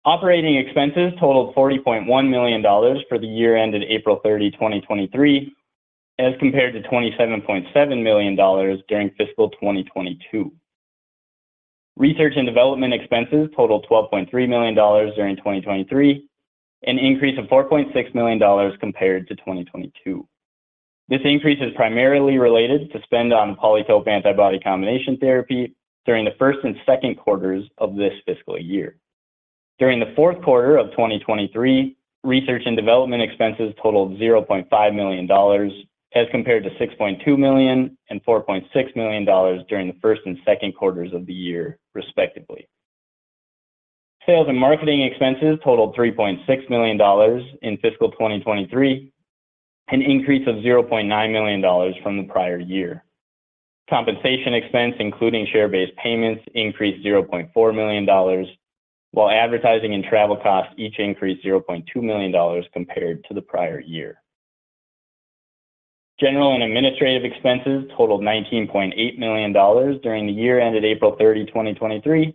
Operating expenses totaled 40.1 million dollars for the year ended April 30, 2023, as compared to 27.7 million dollars during fiscal 2022. Research and development expenses totaled 12.3 million dollars during 2023, an increase of 4.6 million dollars compared to 2022. This increase is primarily related to spend on PolyTope antibody combination therapy during the first and second quarters of this fiscal year. During the fourth quarter of 2023, research and development expenses totaled 0.5 million dollars, as compared to 6.2 million and 4.6 million dollars during the first and second quarters of the year, respectively. Sales and marketing expenses totaled 3.6 million dollars in fiscal 2023, an increase of 0.9 million dollars from the prior year. Compensation expense, including share-based payments, increased 0.4 million dollars, while advertising and travel costs each increased 0.2 million dollars compared to the prior year. General and administrative expenses totaled 19.8 million dollars during the year ended April 30, 2023,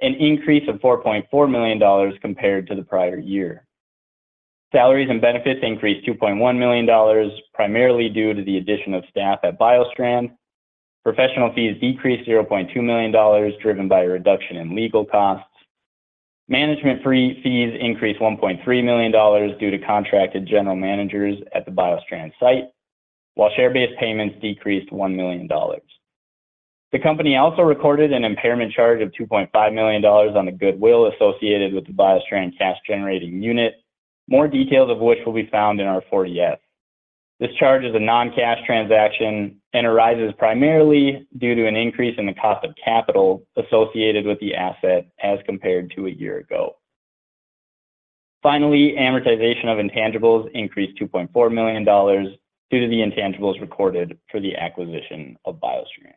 an increase of 4.4 million dollars compared to the prior year. Salaries and benefits increased 2.1 million dollars, primarily due to the addition of staff at BioStrand. Professional fees decreased 0.2 million dollars, driven by a reduction in legal costs. Management fees increased 1.3 million dollars due to contracted general managers at the BioStrand site, while share-based payments decreased 1 million dollars. The company also recorded an impairment charge of 2.5 million dollars on the goodwill associated with the BioStrand cash-generating unit, more details of which will be found in our 40-F. This charge is a non-cash transaction and arises primarily due to an increase in the cost of capital associated with the asset as compared to a year ago. Amortization of intangibles increased 2.4 million dollars due to the intangibles recorded for the acquisition of BioStrand.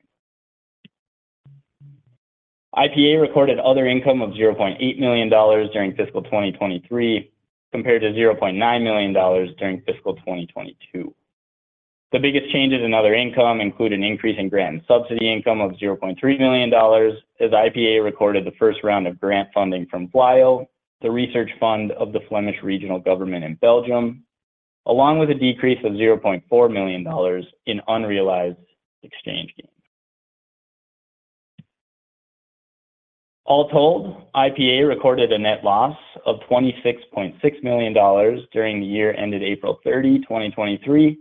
IPA recorded other income of 0.8 million dollars during fiscal 2023, compared to 0.9 million dollars during fiscal 2022. The biggest changes in other income include an increase in grant and subsidy income of 0.3 million dollars, as IPA recorded the first round of grant funding from VLAIO, the research fund of the Flemish Government in Belgium, along with a decrease of 0.4 million dollars in unrealized exchange gains. All told, IPA recorded a net loss of 26.6 million dollars during the year ended April 30, 2023,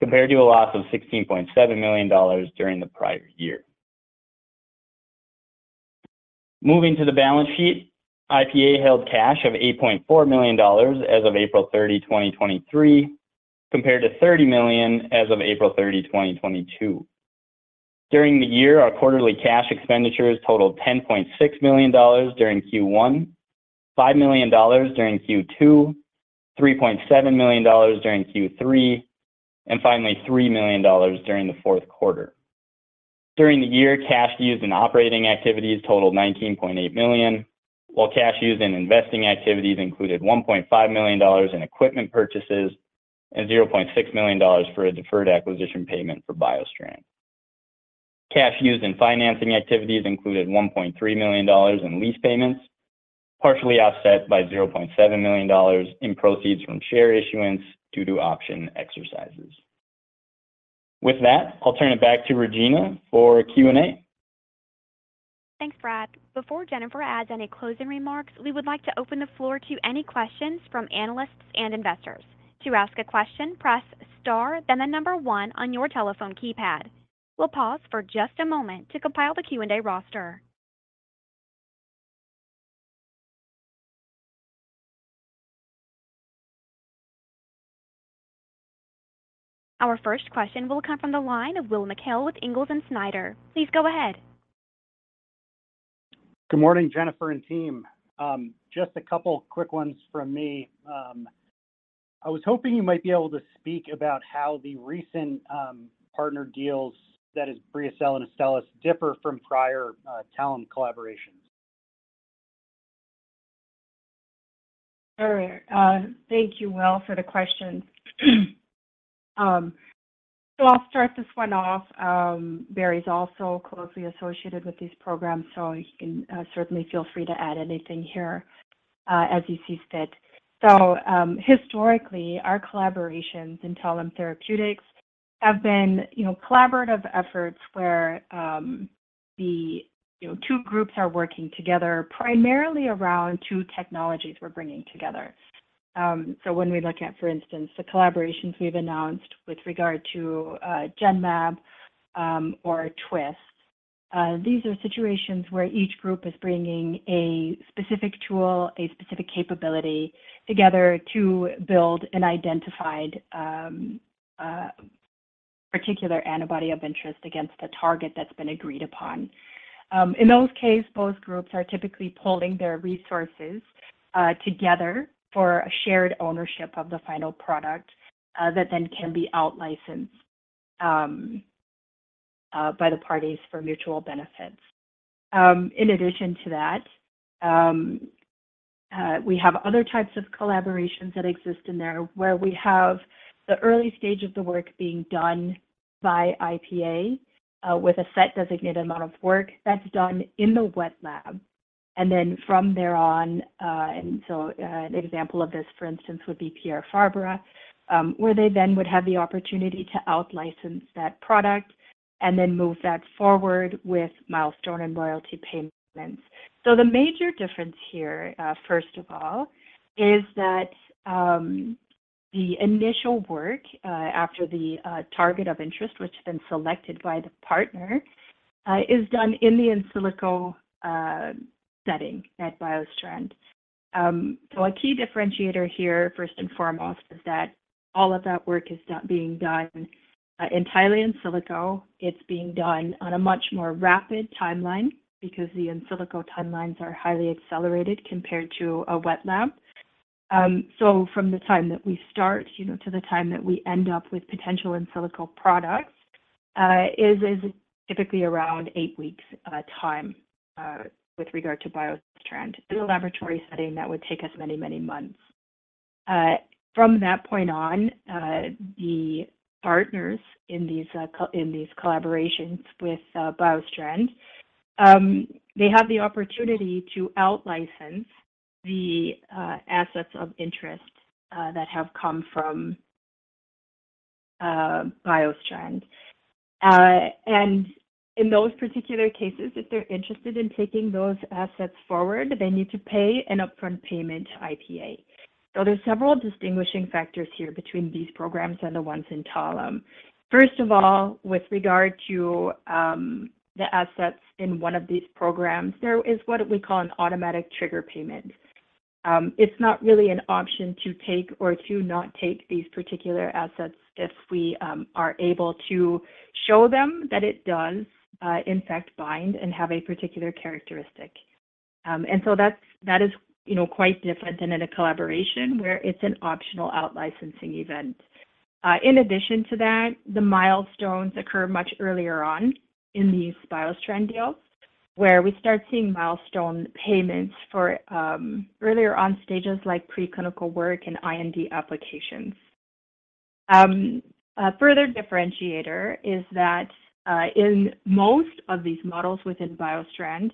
compared to a loss of 16.7 million dollars during the prior year. Moving to the balance sheet, IPA held cash of 8.4 million dollars as of April 30, 2023, compared to 30 million as of April 30, 2022. During the year, our quarterly cash expenditures totaled 10.6 million dollars during Q1, 5 million dollars during Q2, 3.7 million dollars during Q3, and finally 3 million dollars during the fourth quarter. During the year, cash used in operating activities totaled 19.8 million, while cash used in investing activities included 1.5 million dollars in equipment purchases and 0.6 million dollars for a deferred acquisition payment for BioStrand. Cash used in financing activities included 1.3 million dollars in lease payments, partially offset by 0.7 million dollars in proceeds from share issuance due to option exercises. With that, I'll turn it back to Regina for Q&A. Thanks, Brad. Before Jennifer adds any closing remarks, we would like to open the floor to any questions from analysts and investors. To ask a question, press star, then one on your telephone keypad. We'll pause for just a moment to compile the Q&A roster. Our first question will come from the line of Will McHale with Ingalls & Snyder. Please go ahead. Good morning, Jennifer and team. Just a couple quick ones from me. I was hoping you might be able to speak about how the recent, partner deals, that is BriaCell and Astellas, differ from prior, Talem collaborations. All right. Thank you, Will, for the question. I'll start this one off. Barry's also closely associated with these programs, so he can certainly feel free to add anything here as he sees fit. Historically, our collaborations in Talem Therapeutics have been, you know, collaborative efforts where the, you know, two groups are working together, primarily around two technologies we're bringing together. When we look at, for instance, the collaborations we've announced with regard to Genmab or Twist, these are situations where each group is bringing a specific tool, a specific capability together to build an identified particular antibody of interest against a target that's been agreed upon. In those case, both groups are typically pooling their resources together for a shared ownership of the final product that then can be out licensed by the parties for mutual benefits. In addition to that, we have other types of collaborations that exist in there, where we have the early stage of the work being done by IPA, with a set designated amount of work that's done in the wet lab. From there on, an example of this, for instance, would be Pierre Fabre, where they then would have the opportunity to out license that product and then move that forward with milestone and royalty payments. The major difference here, first of all, is that the initial work, after the target of interest, which has been selected by the partner, is done in the in silico setting at BioStrand. A key differentiator here, first and foremost, is that all of that work is being done entirely in silico. It's being done on a much more rapid timeline because the in silico timelines are highly accelerated compared to a wet lab. From the time that we start, you know, to the time that we end up with potential in silico products, is typically around eight weeks time with regard to BioStrand. In a laboratory setting, that would take us many, many months. From that point on, the partners in these collaborations with BioStrand, they have the opportunity to out license the assets of interest that have come from BioStrand. In those particular cases, if they're interested in taking those assets forward, they need to pay an upfront payment to IPA. There are several distinguishing factors here between these programs and the ones in Talem. First of all, with regard to the assets in one of these programs, there is what we call an automatic trigger payment. It's not really an option to take or to not take these particular assets if we are able to show them that it does, in fact, bind and have a particular characteristic. That's, that is, you know, quite different than in a collaboration where it's an optional out licensing event. The milestones occur much earlier on in these BioStrand deals, where we start seeing milestone payments for earlier on stages like preclinical work and IND applications. A further differentiator is that in most of these models within BioStrand,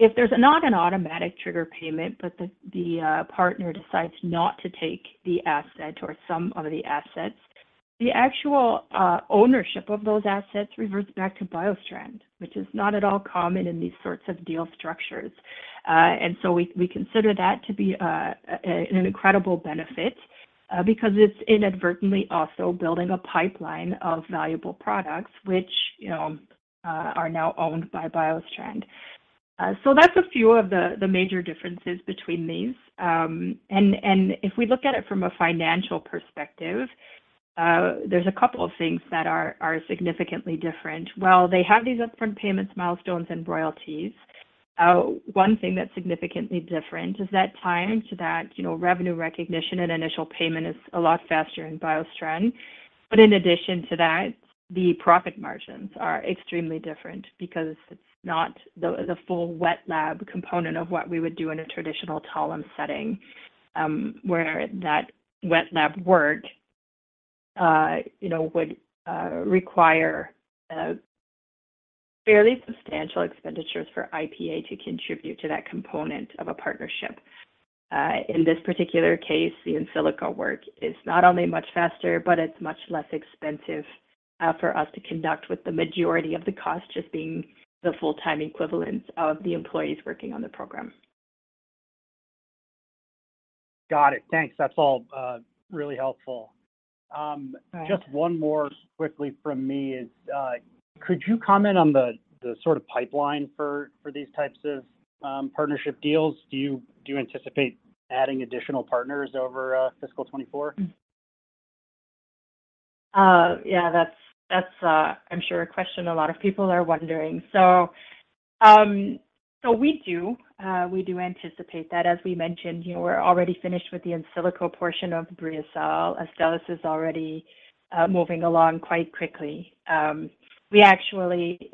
if there's not an automatic trigger payment, but the partner decides not to take the asset or some of the assets, the actual ownership of those assets reverts back to BioStrand, which is not at all common in these sorts of deal structures. We, we consider that to be an incredible benefit because it's inadvertently also building a pipeline of valuable products, which, you know, are now owned by BioStrand. That's a few of the major differences between these. If we look at it from a financial perspective, there's a couple of things that are significantly different. Well, they have these upfront payments, milestones, and royalties. One thing that's significantly different is that time to that, you know, revenue recognition and initial payment is a lot faster in BioStrand. In addition to that, the profit margins are extremely different because it's not the full wet lab component of what we would do in a traditional Talem setting, where that wet lab work, you know, would require fairly substantial expenditures for IPA to contribute to that component of a partnership. In this particular case, the in silico work is not only much faster, but it's much less expensive for us to conduct, with the majority of the cost just being the full-time equivalence of the employees working on the program. Got it. Thanks. That's all, really helpful. Right. Just one more quickly from me is, could you comment on the sort of pipeline for these types of partnership deals? Do you anticipate adding additional partners over fiscal 2024? Yeah, that's, I'm sure a question a lot of people are wondering. We do anticipate that. As we mentioned, you know, we're already finished with the in silico portion of BriaCell. Astellas is already moving along quite quickly. We actually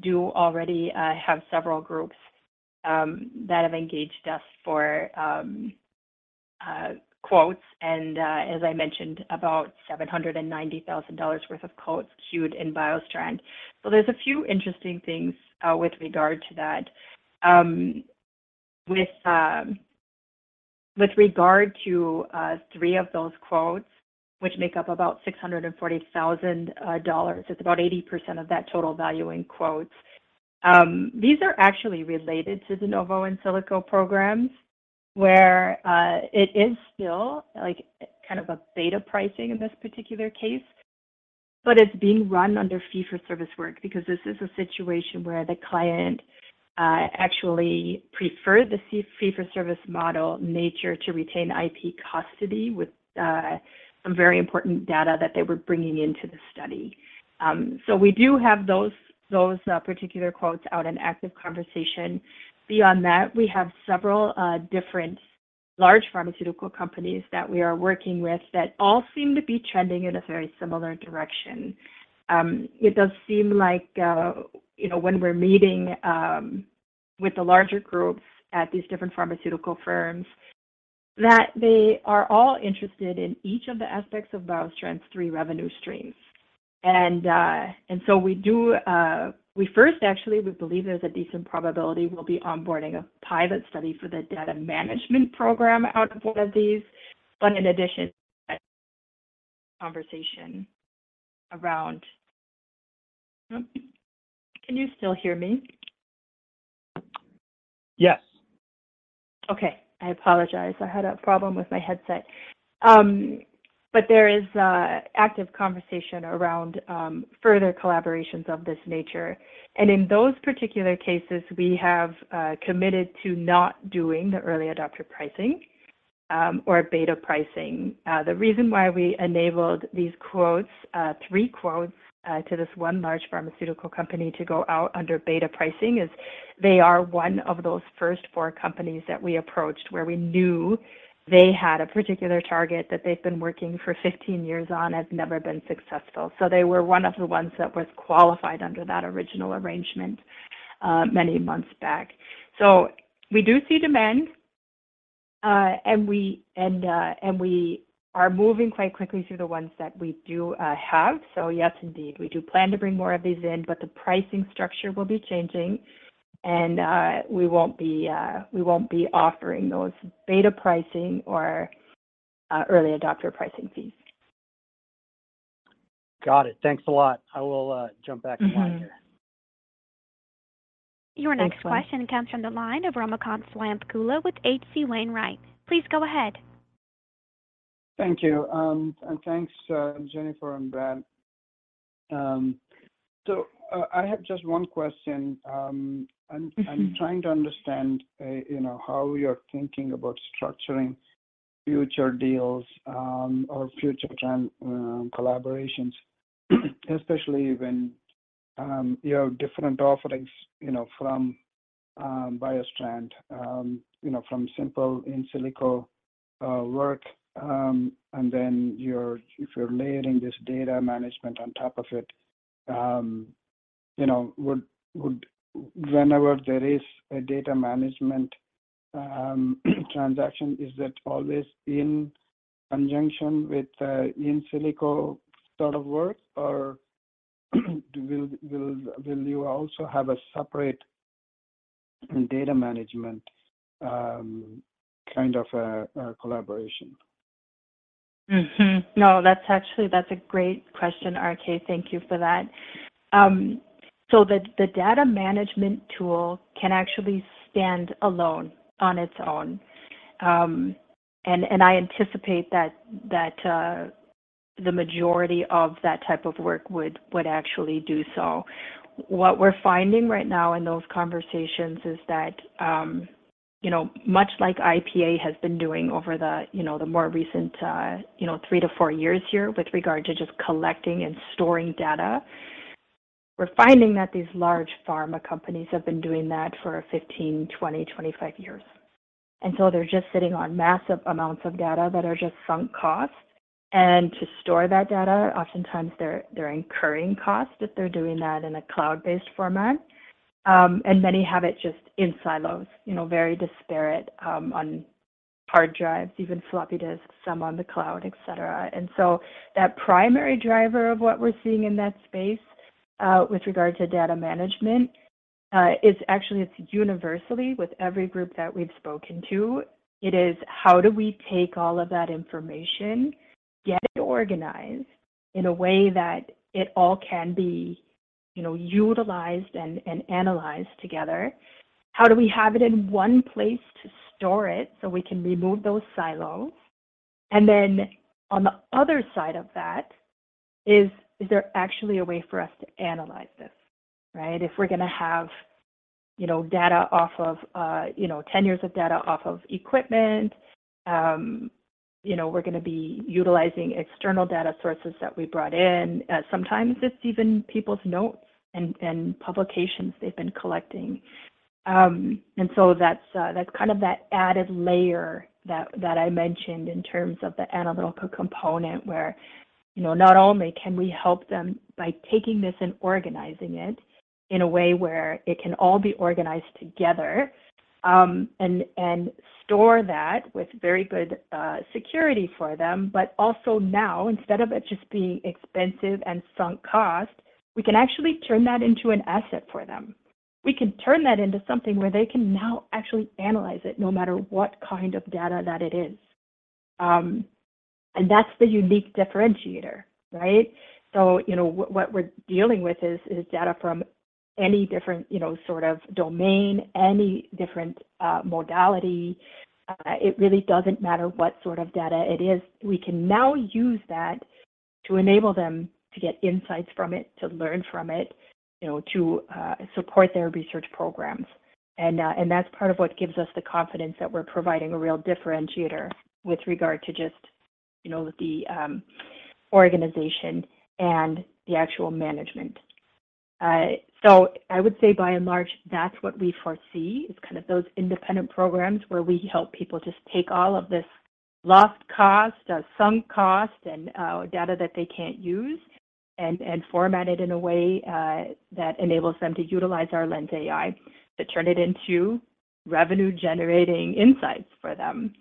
do already have several groups that have engaged us for quotes, and as I mentioned, about $790,000 worth of quotes queued in BioStrand. There's a few interesting things with regard to that. With regard to three of those quotes, which make up about $640,000, it's about 80% of that total value in quotes. These are actually related to the Novo in silico programs, where it is still, like, kind of a beta pricing in this particular case, but it's being run under fee-for-service work because this is a situation where the client actually preferred the fee-for-service model nature to retain IP custody with some very important data that they were bringing into the study. We do have those particular quotes out in active conversation. Beyond that, we have several different large pharmaceutical companies that we are working with that all seem to be trending in a very similar direction. It does seem like, you know, when we're meeting with the larger groups at these different pharmaceutical firms, that they are all interested in each of the aspects of BioStrand's three revenue streams. We do, we first actually, we believe there's a decent probability we'll be onboarding a pilot study for the data management program out of one of these, but in addition, conversation around... Can you still hear me? Yes. I apologize. I had a problem with my headset. There is a active conversation around further collaborations of this nature, and in those particular cases, we have committed to not doing the early adopter pricing or beta pricing. The reason why we enabled these quotes, three quotes, to this one large pharmaceutical company to go out under beta pricing is they are one of those first four companies that we approached, where we knew they had a particular target that they've been working for 15 years on, have never been successful. They were one of the ones that was qualified under that original arrangement many months back. We do see demand, and we are moving quite quickly through the ones that we do have. Yes, indeed, we do plan to bring more of these in, but the pricing structure will be changing, and we won't be offering those beta pricing or early adopter pricing fees. Got it. Thanks a lot. I will jump back in line here. Mm-hmm. Your next question comes from the line of Ramakanth Swayampakula with H.C. Wainwright. Please go ahead. Thank you, and thanks Jennifer and Brad. I have just one question. Mm-hmm. I'm trying to understand how we are thinking about structuring future deals, or future trend, collaborations, especially when you have different offerings, you know, from BioStrand. You know, from simple in silico, work, and then if you're layering this data management on top of it, you know, would whenever there is a data management, transaction, is that always in conjunction with, in silico sort of work, or will you also have a separate data management, kind of a collaboration? No, that's actually, that's a great question, RK. Thank you for that. The data management tool can actually stand alone on its own. I anticipate that the majority of that type of work would actually do so. What we're finding right now in those conversations is that, you know, much like IPA has been doing over the, you know, the more recent, you know, three to four years here, with regard to just collecting and storing data, we're finding that these large pharma companies have been doing that for 15, 20, 25 years. They're just sitting on massive amounts of data that are just sunk costs, and to store that data, oftentimes they're incurring costs if they're doing that in a cloud-based format. Many have it just in silos, you know, very disparate, on hard drives, even floppy disks, some on the cloud, et cetera. That primary driver of what we're seeing in that space, with regard to data management, is actually it's universally with every group that we've spoken to. It is, how do we take all of that information, get it organized in a way that it all can be, you know, utilized and analyzed together? How do we have it in one place to store it, so we can remove those silos? On the other side of that is there actually a way for us to analyze this, right? If we're gonna have, you know, data off of, you know, 10 years of data off of equipment. We're going to be utilizing external data sources that we brought in. Sometimes it's even people's notes and publications they've been collecting. That's kind of that added layer that I mentioned in terms of the analytical component, where, you know, not only can we help them by taking this and organizing it in a way where it can all be organized together, and store that with very good security for them. Now, instead of it just being expensive and sunk cost, we can actually turn that into an asset for them. We can turn that into something where they can now actually analyze it, no matter what kind of data that it is. That's the unique differentiator, right? What we're dealing with is data from any different, you know, sort of domain, any different modality. It really doesn't matter what sort of data it is. We can now use that to enable them to get insights from it, to learn from it to support their research programs. That's part of what gives us the confidence that we're providing a real differentiator with regard to just, you know, the organization and the actual management. I would say by and large, that's what we foresee, is kind of those independent programs where we help people just take all of this lost cost, sunk cost, and data that they can't use, and format it in a way that enables them to utilize our LENSai to turn it into revenue-generating insights for them.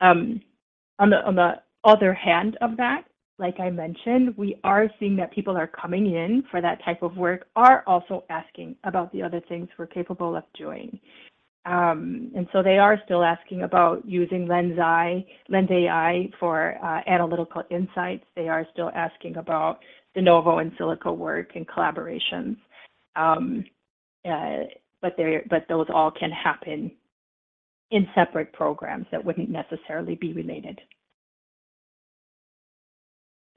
On the other hand of that, like I mentioned, we are seeing that people are coming in for that type of work, are also asking about the other things we're capable of doing. They are still asking about using LENSai for analytical insights. They are still asking about de novo in silico work and collaborations. Those all can happen in separate programs that wouldn't necessarily be related.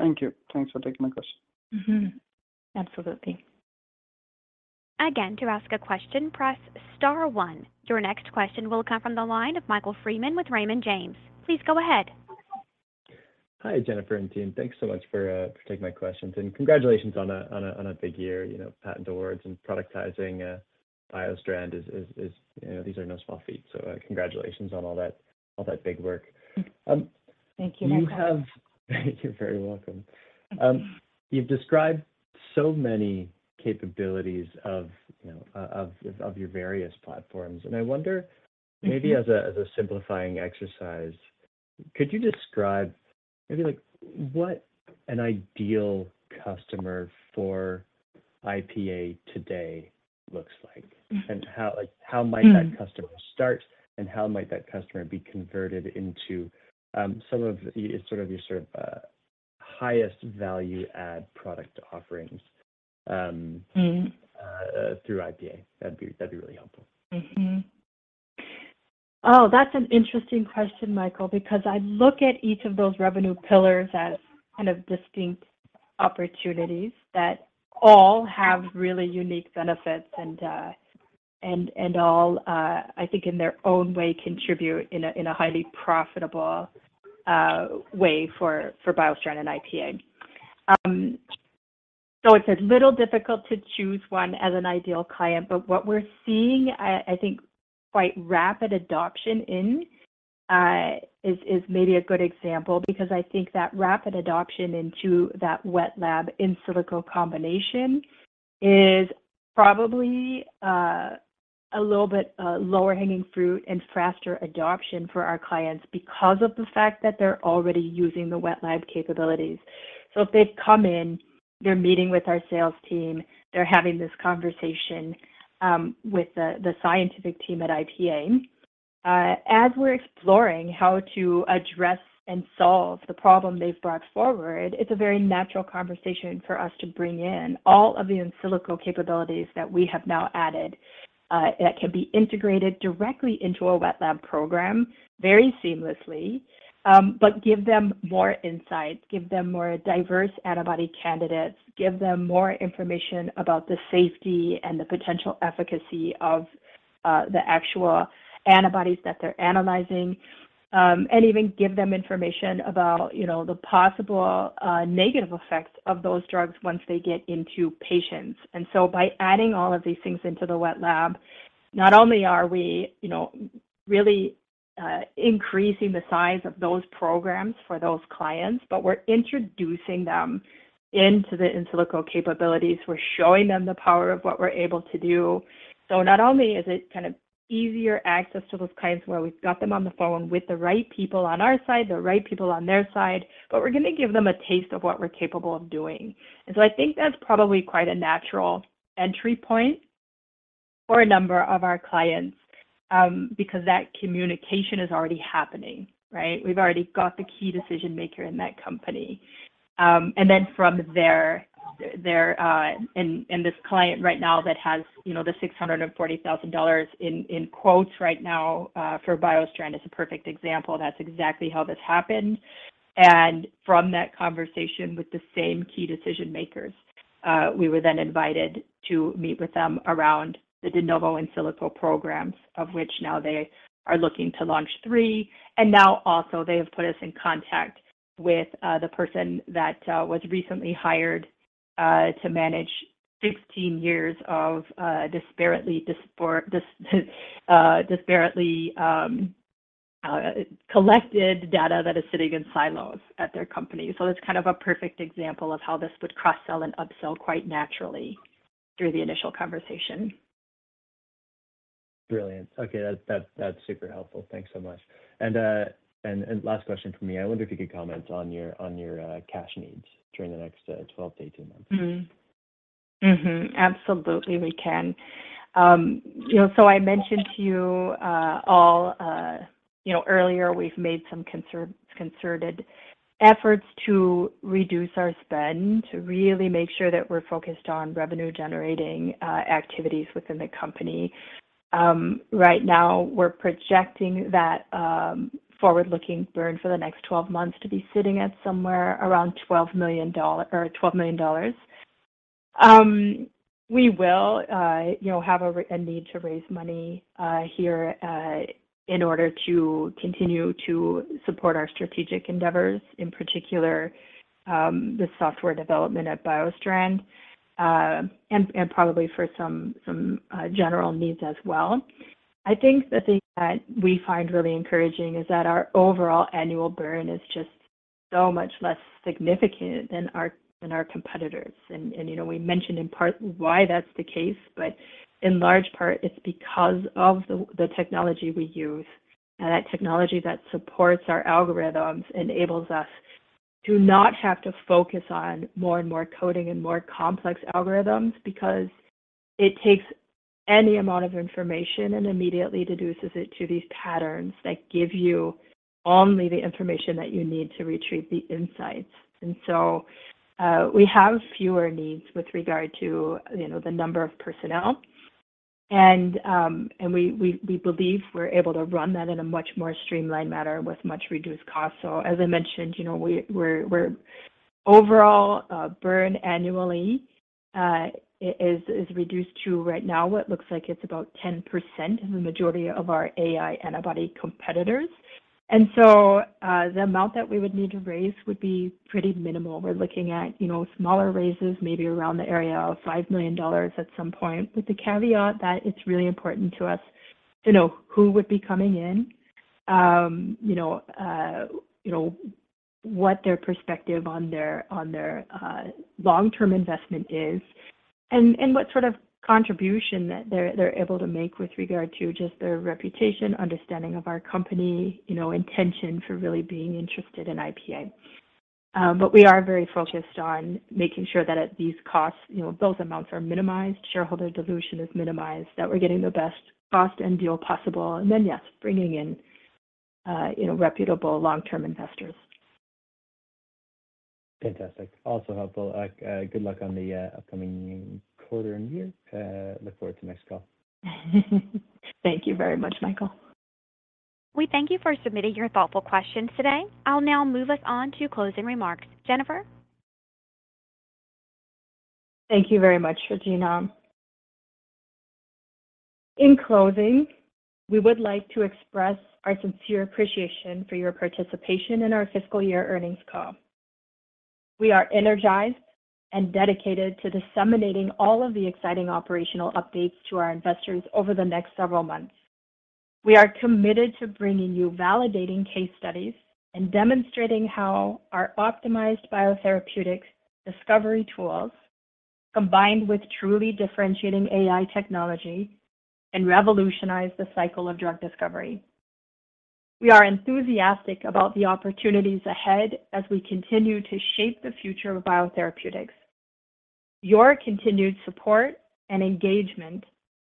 Thank you. Thanks for taking my question. Mm-hmm. Absolutely. To ask a question, press star one. Your next question will come from the line of Michael Freeman with Raymond James. Please go ahead. Hi, Jennifer and team. Thanks so much for taking my questions, and congratulations on a big year. You know, patent awards and productizing BioStrand is, you know, these are no small feats, so, congratulations on all that big work. Thank you, Michael. You're very welcome. You've described so many capabilities of your various platforms and I wonder, maybe as a simplifying exercise, could you describe maybe, like, what an ideal customer for IPA today looks like? How, like, how that customer start, and how might that customer be converted into, some of the, sort of your, sort of, highest value add product offerings through IPA? That'd be really helpful. That's an interesting question, Michael, because I look at each of those revenue pillars as kind of distinct opportunities that all have really unique benefits and all, I think, in their own way, contribute in a highly profitable way for BioStrand and IPA. It's a little difficult to choose one as an ideal client, but what we're seeing, I think quite rapid adoption in, is maybe a good example. I think that rapid adoption into that wet lab in silico combination is probably a little bit lower hanging fruit and faster adoption for our clients because of the fact that they're already using the wet lab capabilities. If they've come in, they're meeting with our sales team, they're having this conversation with the scientific team at IPA. As we're exploring how to address and solve the problem they've brought forward, it's a very natural conversation for us to bring in all of the in silico capabilities that we have now added, that can be integrated directly into a wet lab program very seamlessly. Give them more insight, give them more diverse antibody candidates, give them more information about the safety and the potential efficacy of the actual antibodies that they're analyzing. Even give them information about the possible negative effects of those drugs once they get into patients. By adding all of these things into the wet lab, not only are we, you know, really increasing the size of those programs for those clients, but we're introducing them into the in silico capabilities. We're showing them the power of what we're able to do. Not only is it kind of easier access to those clients where we've got them on the phone with the right people on our side, the right people on their side, but we're going to give them a taste of what we're capable of doing. I think that's probably quite a natural entry point for a number of our clients because that communication is already happening, right? We've already got the key decision maker in that company. Then from there. This client right now that has, you know, the $640,000 in quotes right now for BioStrand is a perfect example. That's exactly how this happened. From that conversation with the same key decision makers, we were then invited to meet with them around the de novo and in silico programs, of which now they are looking to launch three. Now also they have put us in contact with the person that was recently hired to manage 16 years of disparately collected data that is sitting in silos at their company. That's kind of a perfect example of how this would cross-sell and upsell quite naturally through the initial conversation. Brilliant. Okay, that's super helpful. Thanks so much. Last question from me. I wonder if you could comment on your cash needs during the next 12-18 months? Absolutely, we can. You know, I mentioned to you all, you know, earlier, we've made some concerted efforts to reduce our spend, to really make sure that we're focused on revenue-generating activities within the company. Right now, we're projecting that forward-looking burn for the next 12 months to be sitting at somewhere around $12 million. We will, you know, have a need to raise money here in order to continue to support our strategic endeavors, in particular, the software development at BioStrand, and probably for some general needs as well. I think the thing that we find really encouraging is that our overall annual burn is just so much less significant than our competitors. We mentioned in part why that's the case, but in large part, it's because of the technology we use. That technology that supports our algorithms enables us to not have to focus on more and more coding and more complex algorithms, because it takes any amount of information and immediately deduces it to these patterns that give you only the information that you need to retrieve the insights. We have fewer needs with regard to, you know, the number of personnel. We believe we're able to run that in a much more streamlined manner with much reduced cost. As I mentioned, you know, we're overall burn annually is reduced to right now what looks like it's about 10% of the majority of our AI antibody competitors. The amount that we would need to raise would be pretty minimal. We're looking at, you know, smaller raises, maybe around the area of $5 million at some point, with the caveat that it's really important to us to know who would be coming in, you know, what their perspective on their long-term investment is, and what sort of contribution that they're able to make with regard to just their reputation, understanding of our company, you know, intention for really being interested in IPA. We are very focused on making sure that at these costs, you know, those amounts are minimized, shareholder dilution is minimized, that we're getting the best cost and deal possible, and then, yes, bringing in, you know, reputable long-term investors. Fantastic. Also helpful. Good luck on the upcoming quarter and year. Look forward to next call. Thank you very much, Michael. We thank you for submitting your thoughtful questions today. I'll now move us on to closing remarks. Jennifer? Thank you very much, Regina. In closing, we would like to express our sincere appreciation for your participation in our fiscal year earnings call. We are energized and dedicated to disseminating all of the exciting operational updates to our investors over the next several months. We are committed to bringing you validating case studies and demonstrating how our optimized biotherapeutics discovery tools, combined with truly differentiating AI technology, and revolutionize the cycle of drug discovery. We are enthusiastic about the opportunities ahead as we continue to shape the future of biotherapeutics. Your continued support and engagement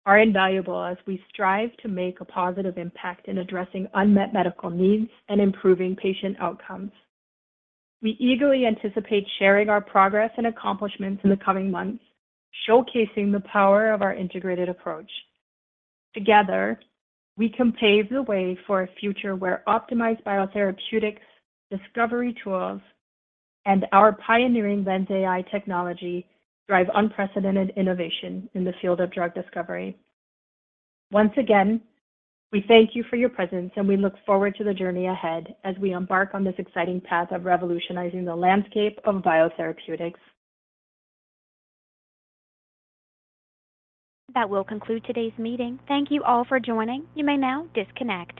are invaluable as we strive to make a positive impact in addressing unmet medical needs and improving patient outcomes. We eagerly anticipate sharing our progress and accomplishments in the coming months, showcasing the power of our integrated approach. Together, we can pave the way for a future where optimized biotherapeutics discovery tools and our pioneering LENSai technology drive unprecedented innovation in the field of drug discovery. Once again, we thank you for your presence, and we look forward to the journey ahead as we embark on this exciting path of revolutionizing the landscape of biotherapeutics. That will conclude today's meeting. Thank you all for joining. You may now disconnect.